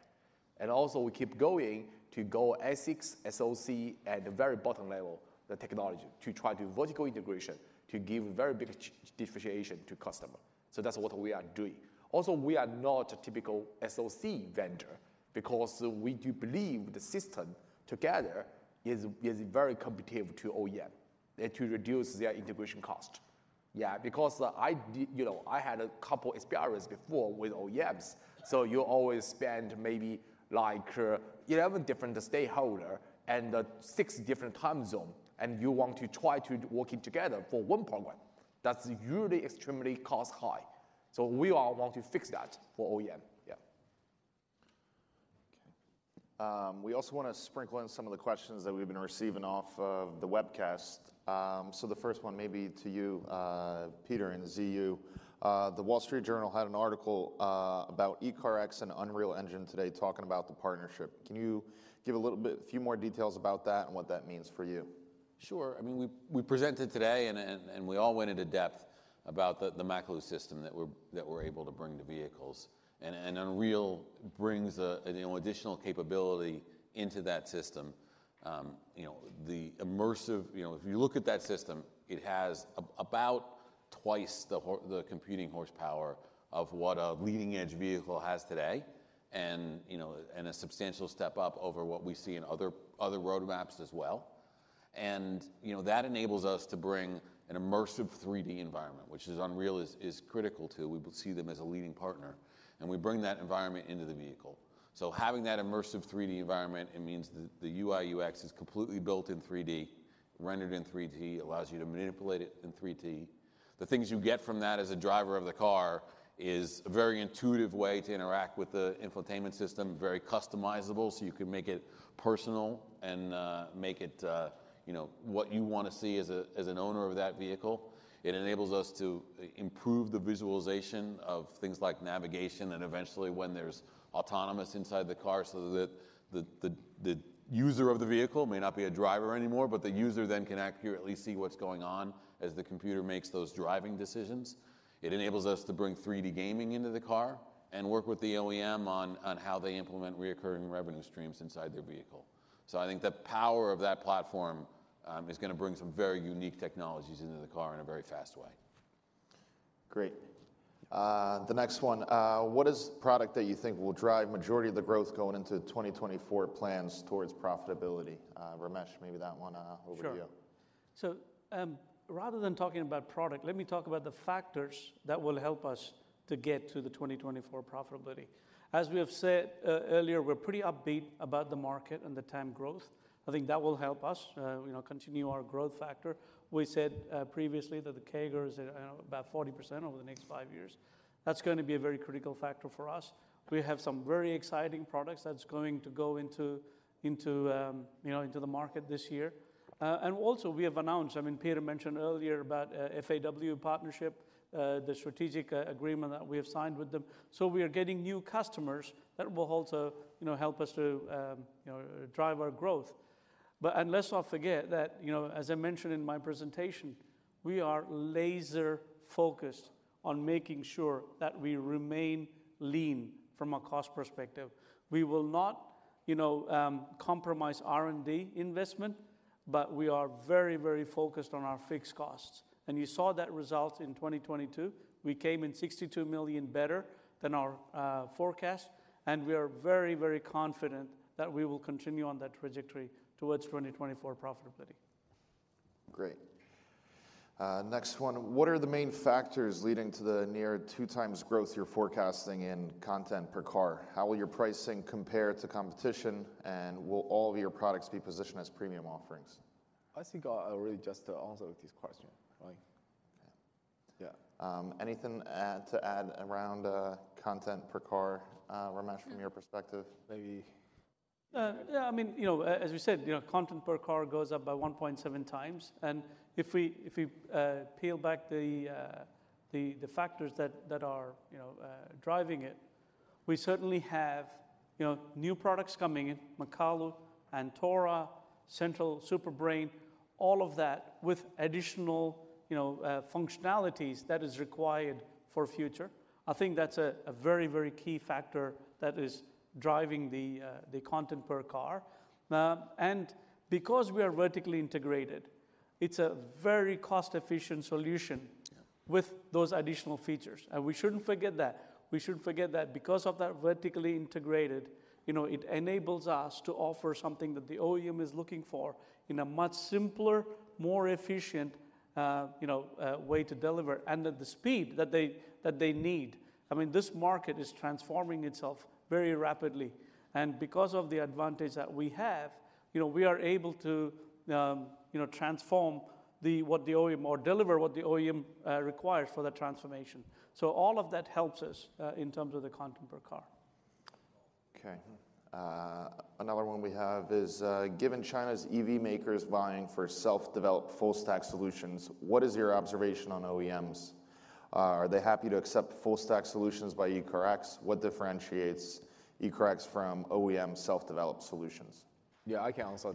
Also we keep going to go ASICs, SoC at the very bottom level, the technology, to try to do vertical integration to give very big differentiation to customer. That's what we are doing. Also, we are not a typical SoC vendor because we do believe the system together is very competitive to OEM and to reduce their integration cost. Because you know, I had a couple experiences before with OEMs, so you always spend maybe like 11 different stakeholder and six different time zone, and you want to try to working together for one program. That's usually extremely cost high. We all want to fix that for OEM. Okay. We also wanna sprinkle in some of the questions that we've been receiving off of the webcast. The first one may be to you, Peter and Ziyu. The Wall Street Journal had an article about ECARX and Unreal Engine today talking about the partnership. Can you give a little bit, a few more details about that and what that means for you? Sure. I mean, we presented today and we all went into depth about the Makalu system that we're able to bring to vehicles. Unreal brings a, you know, additional capability into that system. you know, the immersive, you know, if you look at that system, it has about. Twice the computing horsepower of what a leading edge vehicle has today. You know, and a substantial step up over what we see in other roadmaps as well. You know, that enables us to bring an immersive 3D environment, which Unreal is critical to. We see them as a leading partner, and we bring that environment into the vehicle. Having that immersive 3D environment, it means the UI/UX is completely built in 3D, rendered in 3D, allows you to manipulate it in 3D. The things you get from that as a driver of the car is a very intuitive way to interact with the infotainment system, very customizable, so you can make it personal and make it, you know, what you want to see as an owner of that vehicle. It enables us to improve the visualization of things like navigation, and eventually when there's autonomous inside the car so that the user of the vehicle may not be a driver anymore, but the user then can accurately see what's going on as the computer makes those driving decisions. It enables us to bring 3D gaming into the car and work with the OEM on how they implement reoccurring revenue streams inside their vehicle. I think the power of that platform is gonna bring some very unique technologies into the car in a very fast way. Great. The next one. What is product that you think will drive majority of the growth going into 2024 plans towards profitability? Ramesh, maybe that one. Sure over to you. Rather than talking about product, let me talk about the factors that will help us to get to the 2024 profitability. As we have said earlier, we're pretty upbeat about the market and the TAM growth. I think that will help us, you know, continue our growth factor. We said previously that the CAGR is about 40% over the next five years. That's going to be a very critical factor for us. We have some very exciting products that's going to go into, you know, into the market this year. And also we have announced, I mean, Peter mentioned earlier about FAW partnership, the strategic agreement that we have signed with them. We are getting new customers that will also, you know, help us to, you know, drive our growth. Let's not forget that, you know, as I mentioned in my presentation, we are laser focused on making sure that we remain lean from a cost perspective. We will not, you know, compromise R&D investment, but we are very, very focused on our fixed costs. You saw that result in 2022. We came in $62 million better than our forecast, and we are very, very confident that we will continue on that trajectory towards 2024 profitability. Great. Next one. What are the main factors leading to the near two times growth you're forecasting in content per car? How will your pricing compare to competition? Will all of your products be positioned as premium offerings? I think I'll really just answer this question. Like. Yeah. Anything to add around content per car, Ramesh, from your perspective, maybe? Yeah, I mean, you know, as we said, you know, content per car goes up by 1.7x. If we peel back the factors that are, you know, driving it, we certainly have, you know, new products coming in, Makalu, Antora, central, Super Brain, all of that with additional, you know, functionalities that is required for future. I think that's a very key factor that is driving the content per car. Because we are vertically integrated, it's a very cost-efficient solution with those additional features. We shouldn't forget that. We shouldn't forget that because of that vertically integrated, you know, it enables us to offer something that the OEM is looking for in a much simpler, more efficient, you know, way to deliver and at the speed that they, that they need. I mean, this market is transforming itself very rapidly. Because of the advantage that we have, you know, we are able to, you know, transform what the OEM or deliver what the OEM requires for that transformation. All of that helps us in terms of the content per car. Another one we have is, given China's EV makers vying for self-developed full stack solutions, what is your observation on OEMs? Are they happy to accept full stack solutions by ECARX? What differentiates ECARX from OEM self-developed solutions? Yeah, I can answer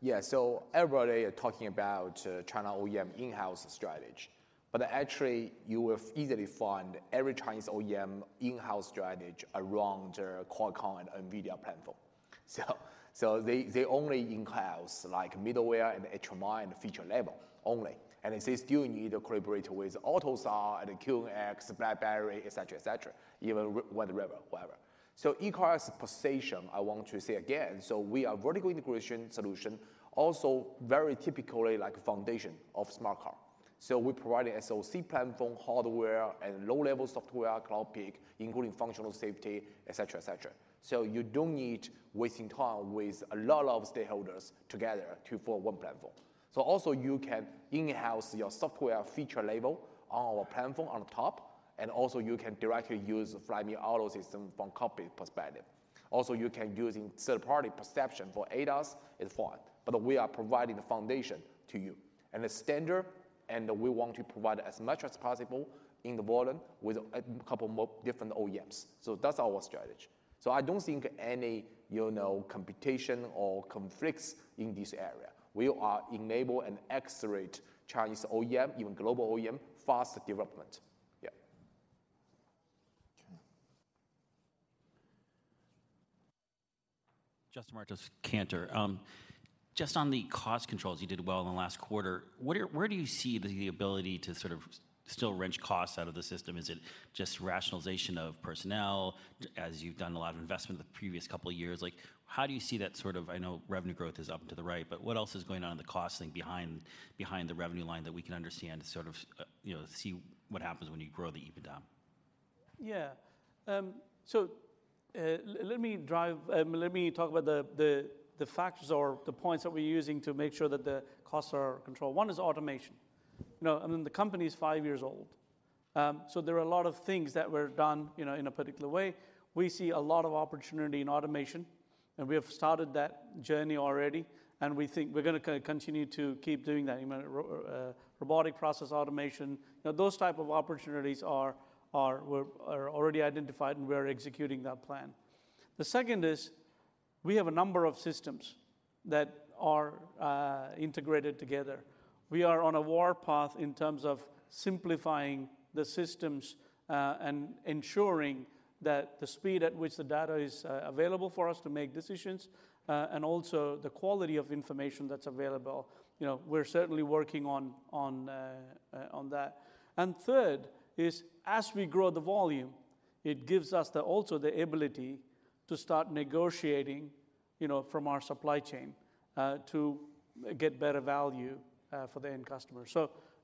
that. everybody are talking about China OEM in-house strategy, but actually you will easily find every Chinese OEM in-house strategy around their Qualcomm and NVIDIA platform. they only in-house like middleware and HMI and feature level only, and they still need to collaborate with AUTOSAR and the QNX, BlackBerry, et cetera, et cetera, even Wind River, whatever. ECARX position, I want to say again, we are vertical integration solution, also very typically like foundation of smart car. we provide SoC platform, hardware, and low-level software, Cloudpeak, including functional safety, et cetera, et cetera. you don't need wasting time with a lot of stakeholders together to form one platform. also you can in-house your software feature level on our platform on top, and also you can directly use DriveMe auto system from company perspective. Also, you can use third-party perception for ADAS and so on. We are providing the foundation to you and the standard, and we want to provide as much as possible in the volume with a couple more different OEMs. That's our strategy. I don't think any, you know, competition or conflicts in this area. We are enable and accelerate Chinese OEM, even global OEM fast development. Justin Martos, Cantor. Just on the cost controls, you did well in the last quarter. Where do you see the ability to sort of still wrench costs out of the system? Is it just rationalization of personnel as you've done a lot of investment the previous couple of years? How do you see that sort of I know revenue growth is up to the right, but what else is going on in the costing behind the revenue line that we can understand to sort of see what happens when you grow the EBITDA? Yeah. Let me talk about the factors or the points that we're using to make sure that the costs are under control. One is automation. You know, I mean, the company's five years old. There are a lot of things that were done, you know, in a particular way. We see a lot of opportunity in automation, and we have started that journey already, and we think we're gonna continue to keep doing that. I mean, robotic process automation. You know, those type of opportunities are already identified and we are executing that plan. The second is we have a number of systems that are integrated together. th in terms of simplifying the systems and ensuring that the speed at which the data is available for us to make decisions and also the quality of information that's available. You know, we're certainly working on that. Third is, as we grow the volume, it gives us the also the ability to start negotiating, you know, from our supply chain to get better value for the end customer.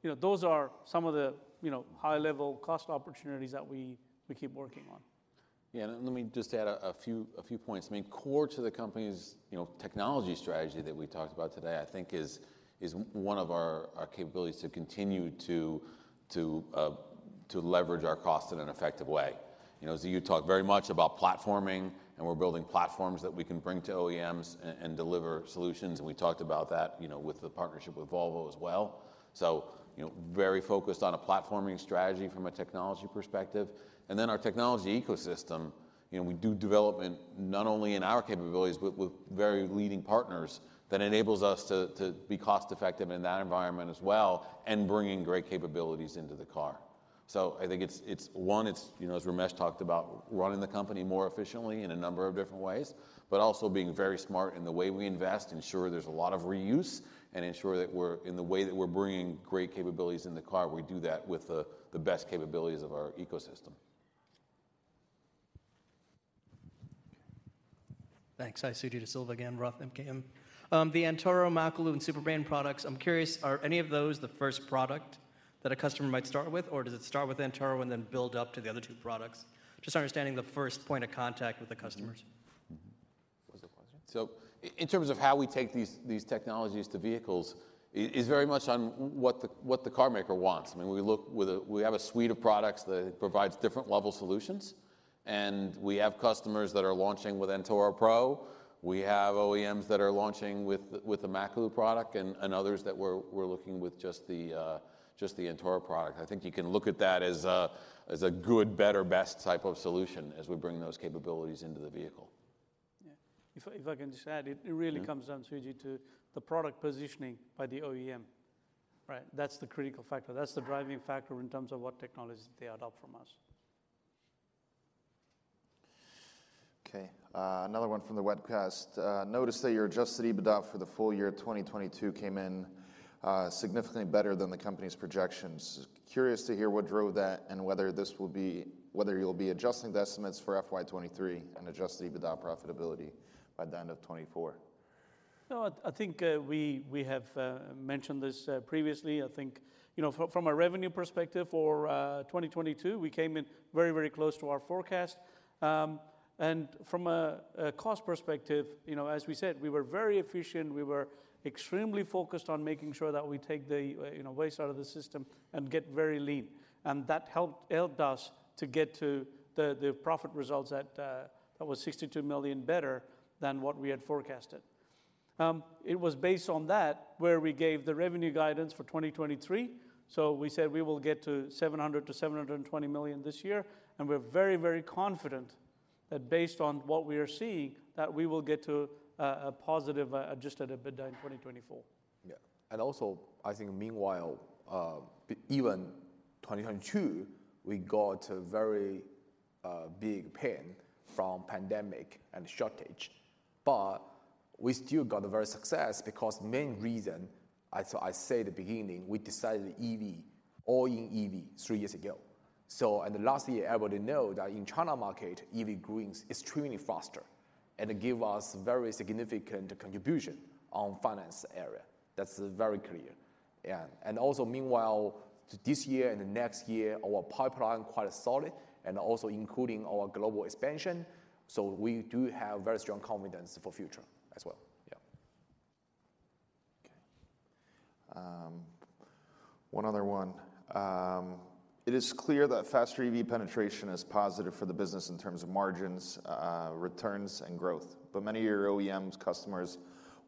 You know, those are some of the, you know, high-level cost opportunities that we keep working on Yeah. Let me just add a few points. I mean, core to the company's, you know, technology strategy that we talked about today, I think is one of our capabilities to continue to leverage our costs in an effective way. You know, Ziyu talked very much about platforming, and we're building platforms that we can bring to OEMs and deliver solutions, and we talked about that, you know, with the partnership with Volvo as well. Very focused on a platforming strategy from a technology perspective. Then our technology ecosystem, you know, we do development not only in our capabilities, but with very leading partners that enables us to be cost effective in that environment as well and bring in great capabilities into the car. I think it's one, it's, you know, as Ramesh talked about, running the company more efficiently in a number of different ways, but also being very smart in the way we invest, ensure there's a lot of reuse, and ensure that we're, in the way that we're bringing great capabilities in the car, we do that with the best capabilities of our ecosystem. Thanks. I, Suji DeSilva again, Roth MKM. The Antora, Makalu, and Super Brain products, I'm curious, are any of those the first product that a customer might start with, or does it start with Antora and then build up to the other two products? Just understanding the first point of contact with the customers. Mm-hmm. What was the question? In terms of how we take these technologies to vehicles is very much on what the carmaker wants. I mean, we have a suite of products that provides different level solutions, and we have customers that are launching with Antora Pro. We have OEMs that are launching with the Makalu product and others that we're looking with just the Antora product. I think you can look at that as a, as a good, better, best type of solution as we bring those capabilities into the vehicle. Yeah. If I, if I can just add, it really comes down, Suji, to the product positioning by the OEM, right? That's the critical factor. That's the driving factor in terms of what technologies they adopt from us. Okay. Another one from the webcast. Noticed that your adjusted EBITDA for the full year 2022 came in significantly better than the company's projections. Curious to hear what drove that and whether you'll be adjusting the estimates for FY 2023 and adjusted EBITDA profitability by the end of 2024? I think we have mentioned this previously. I think, you know, from a revenue perspective for 2022, we came in very, very close to our forecast. From a cost perspective, you know, as we said, we were very efficient. We were extremely focused on making sure that we take the, you know, waste out of the system and get very lean, and that helped us to get to the profit results that was $62 million better than what we had forecasted. It was based on that where we gave the revenue guidance for 2023. We said we will get to $700 million-$720 million this year, and we're very, very confident that based on what we are seeing, that we will get to a positive adjusted EBITDA in 2024. Yeah. Also, I think meanwhile, even 2022, we got a very big pain from pandemic and shortage, but we still got a very success because main reason, I say at the beginning, we decided EV, all-in EV three years ago. The last year, everybody know that in China market, EV growing extremely faster and give us very significant contribution on finance area. That's very clear. Yeah. Also meanwhile, this year and the next year, our pipeline quite solid and also including our global expansion, so we do have very strong confidence for future as well. Yeah. Okay. One other one. It is clear that faster EV penetration is positive for the business in terms of margins, returns, and growth, but many of your OEM customers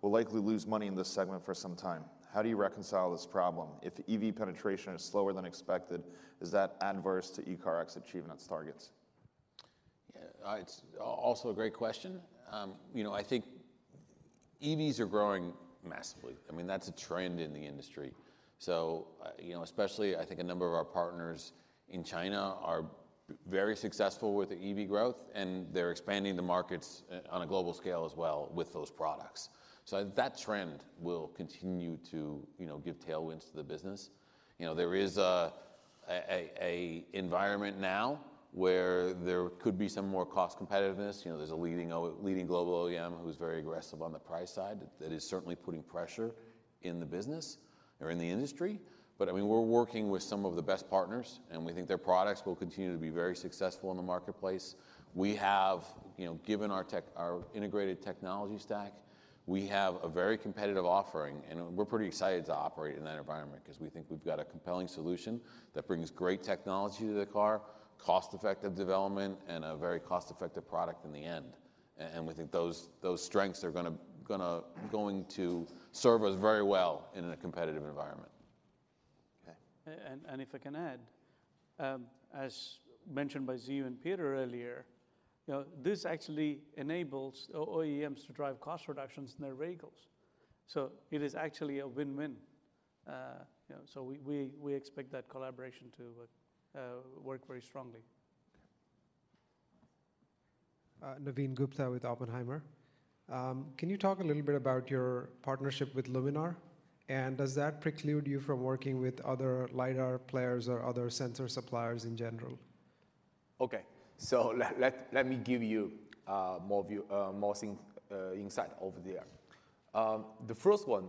will likely lose money in this segment for some time. How do you reconcile this problem? If EV penetration is slower than expected, is that adverse to ECARX achieving its targets? It's also a great question. You know, I think EVs are growing massively. I mean, that's a trend in the industry. You know, especially I think a number of our partners in China are very successful with the EV growth, and they're expanding the markets on a global scale as well with those products. That trend will continue to, you know, give tailwinds to the business. You know, there is a environment now where there could be some more cost competitiveness. You know, there's a leading global OEM who's very aggressive on the price side that is certainly putting pressure in the business or in the industry. I mean, we're working with some of the best partners, and we think their products will continue to be very successful in the marketplace. We have, you know, given our integrated technology stack, we have a very competitive offering, and we're pretty excited to operate in that environment 'cause we think we've got a compelling solution that brings great technology to the car, cost-effective development, and a very cost-effective product in the end. We think those strengths are going to serve us very well in a competitive environment. Okay. If I can add, as mentioned by Ziyu and Peter earlier, you know, this actually enables OEMs to drive cost reductions in their vehicles, so it is actually a win-win. You know, so we expect that collaboration to work very strongly. Okay. Navin Gupta with Oppenheimer. Can you talk a little bit about your partnership with Luminar? Does that preclude you from working with other LIDAR players or other sensor suppliers in general? Okay. let me give you more view, more insight over there. The first one,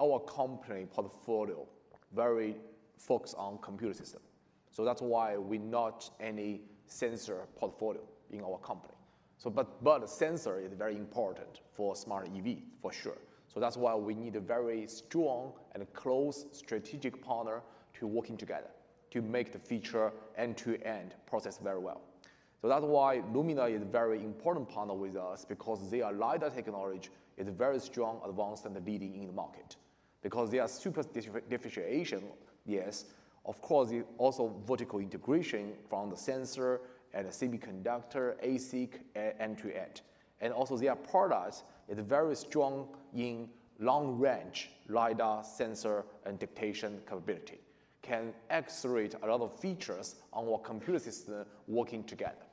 our company portfolio very focused on computer system, that's why we not any sensor portfolio in our company. Sensor is very important for smart EV, for sure. That's why we need a very strong and close strategic partner to working together to make the feature end-to-end process very well. That's why Luminar is very important partner with us because their lidar technology is very strong, advanced, and leading in the market. They are super differentiation, yes, of course, also vertical integration from the sensor and the semiconductor, ASIC, end-to-end. Also their product is very strong in long range lidar sensor and detection capability, can accelerate a lot of features on our computer system working together.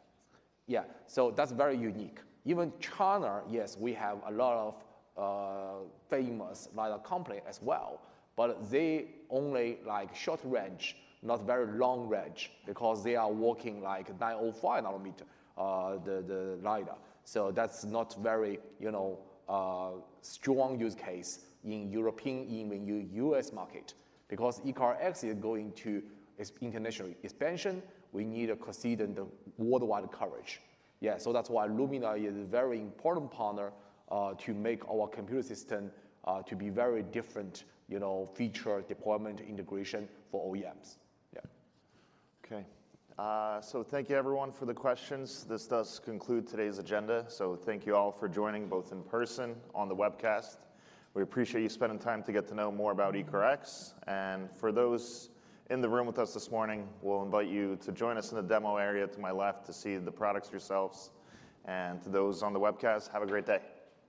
That's very unique. Even China, yes, we have a lot of famous LiDAR company as well, but they only like short range, not very long range because they are working like 905-nanometer LiDAR. That's not very, you know, strong use case in European, even U.S. market. Because ECARX is going to international expansion, we need a consistent worldwide coverage. That's why Luminar is a very important partner to make our computer system to be very different, you know, feature deployment integration for OEMs. Okay. Thank you everyone for the questions. This does conclude today's agenda. Thank you all for joining both in person, on the webcast. We appreciate you spending time to get to know more about ECARX. For those in the room with us this morning, we'll invite you to join us in the demo area to my left to see the products yourselves. To those on the webcast, have a great day.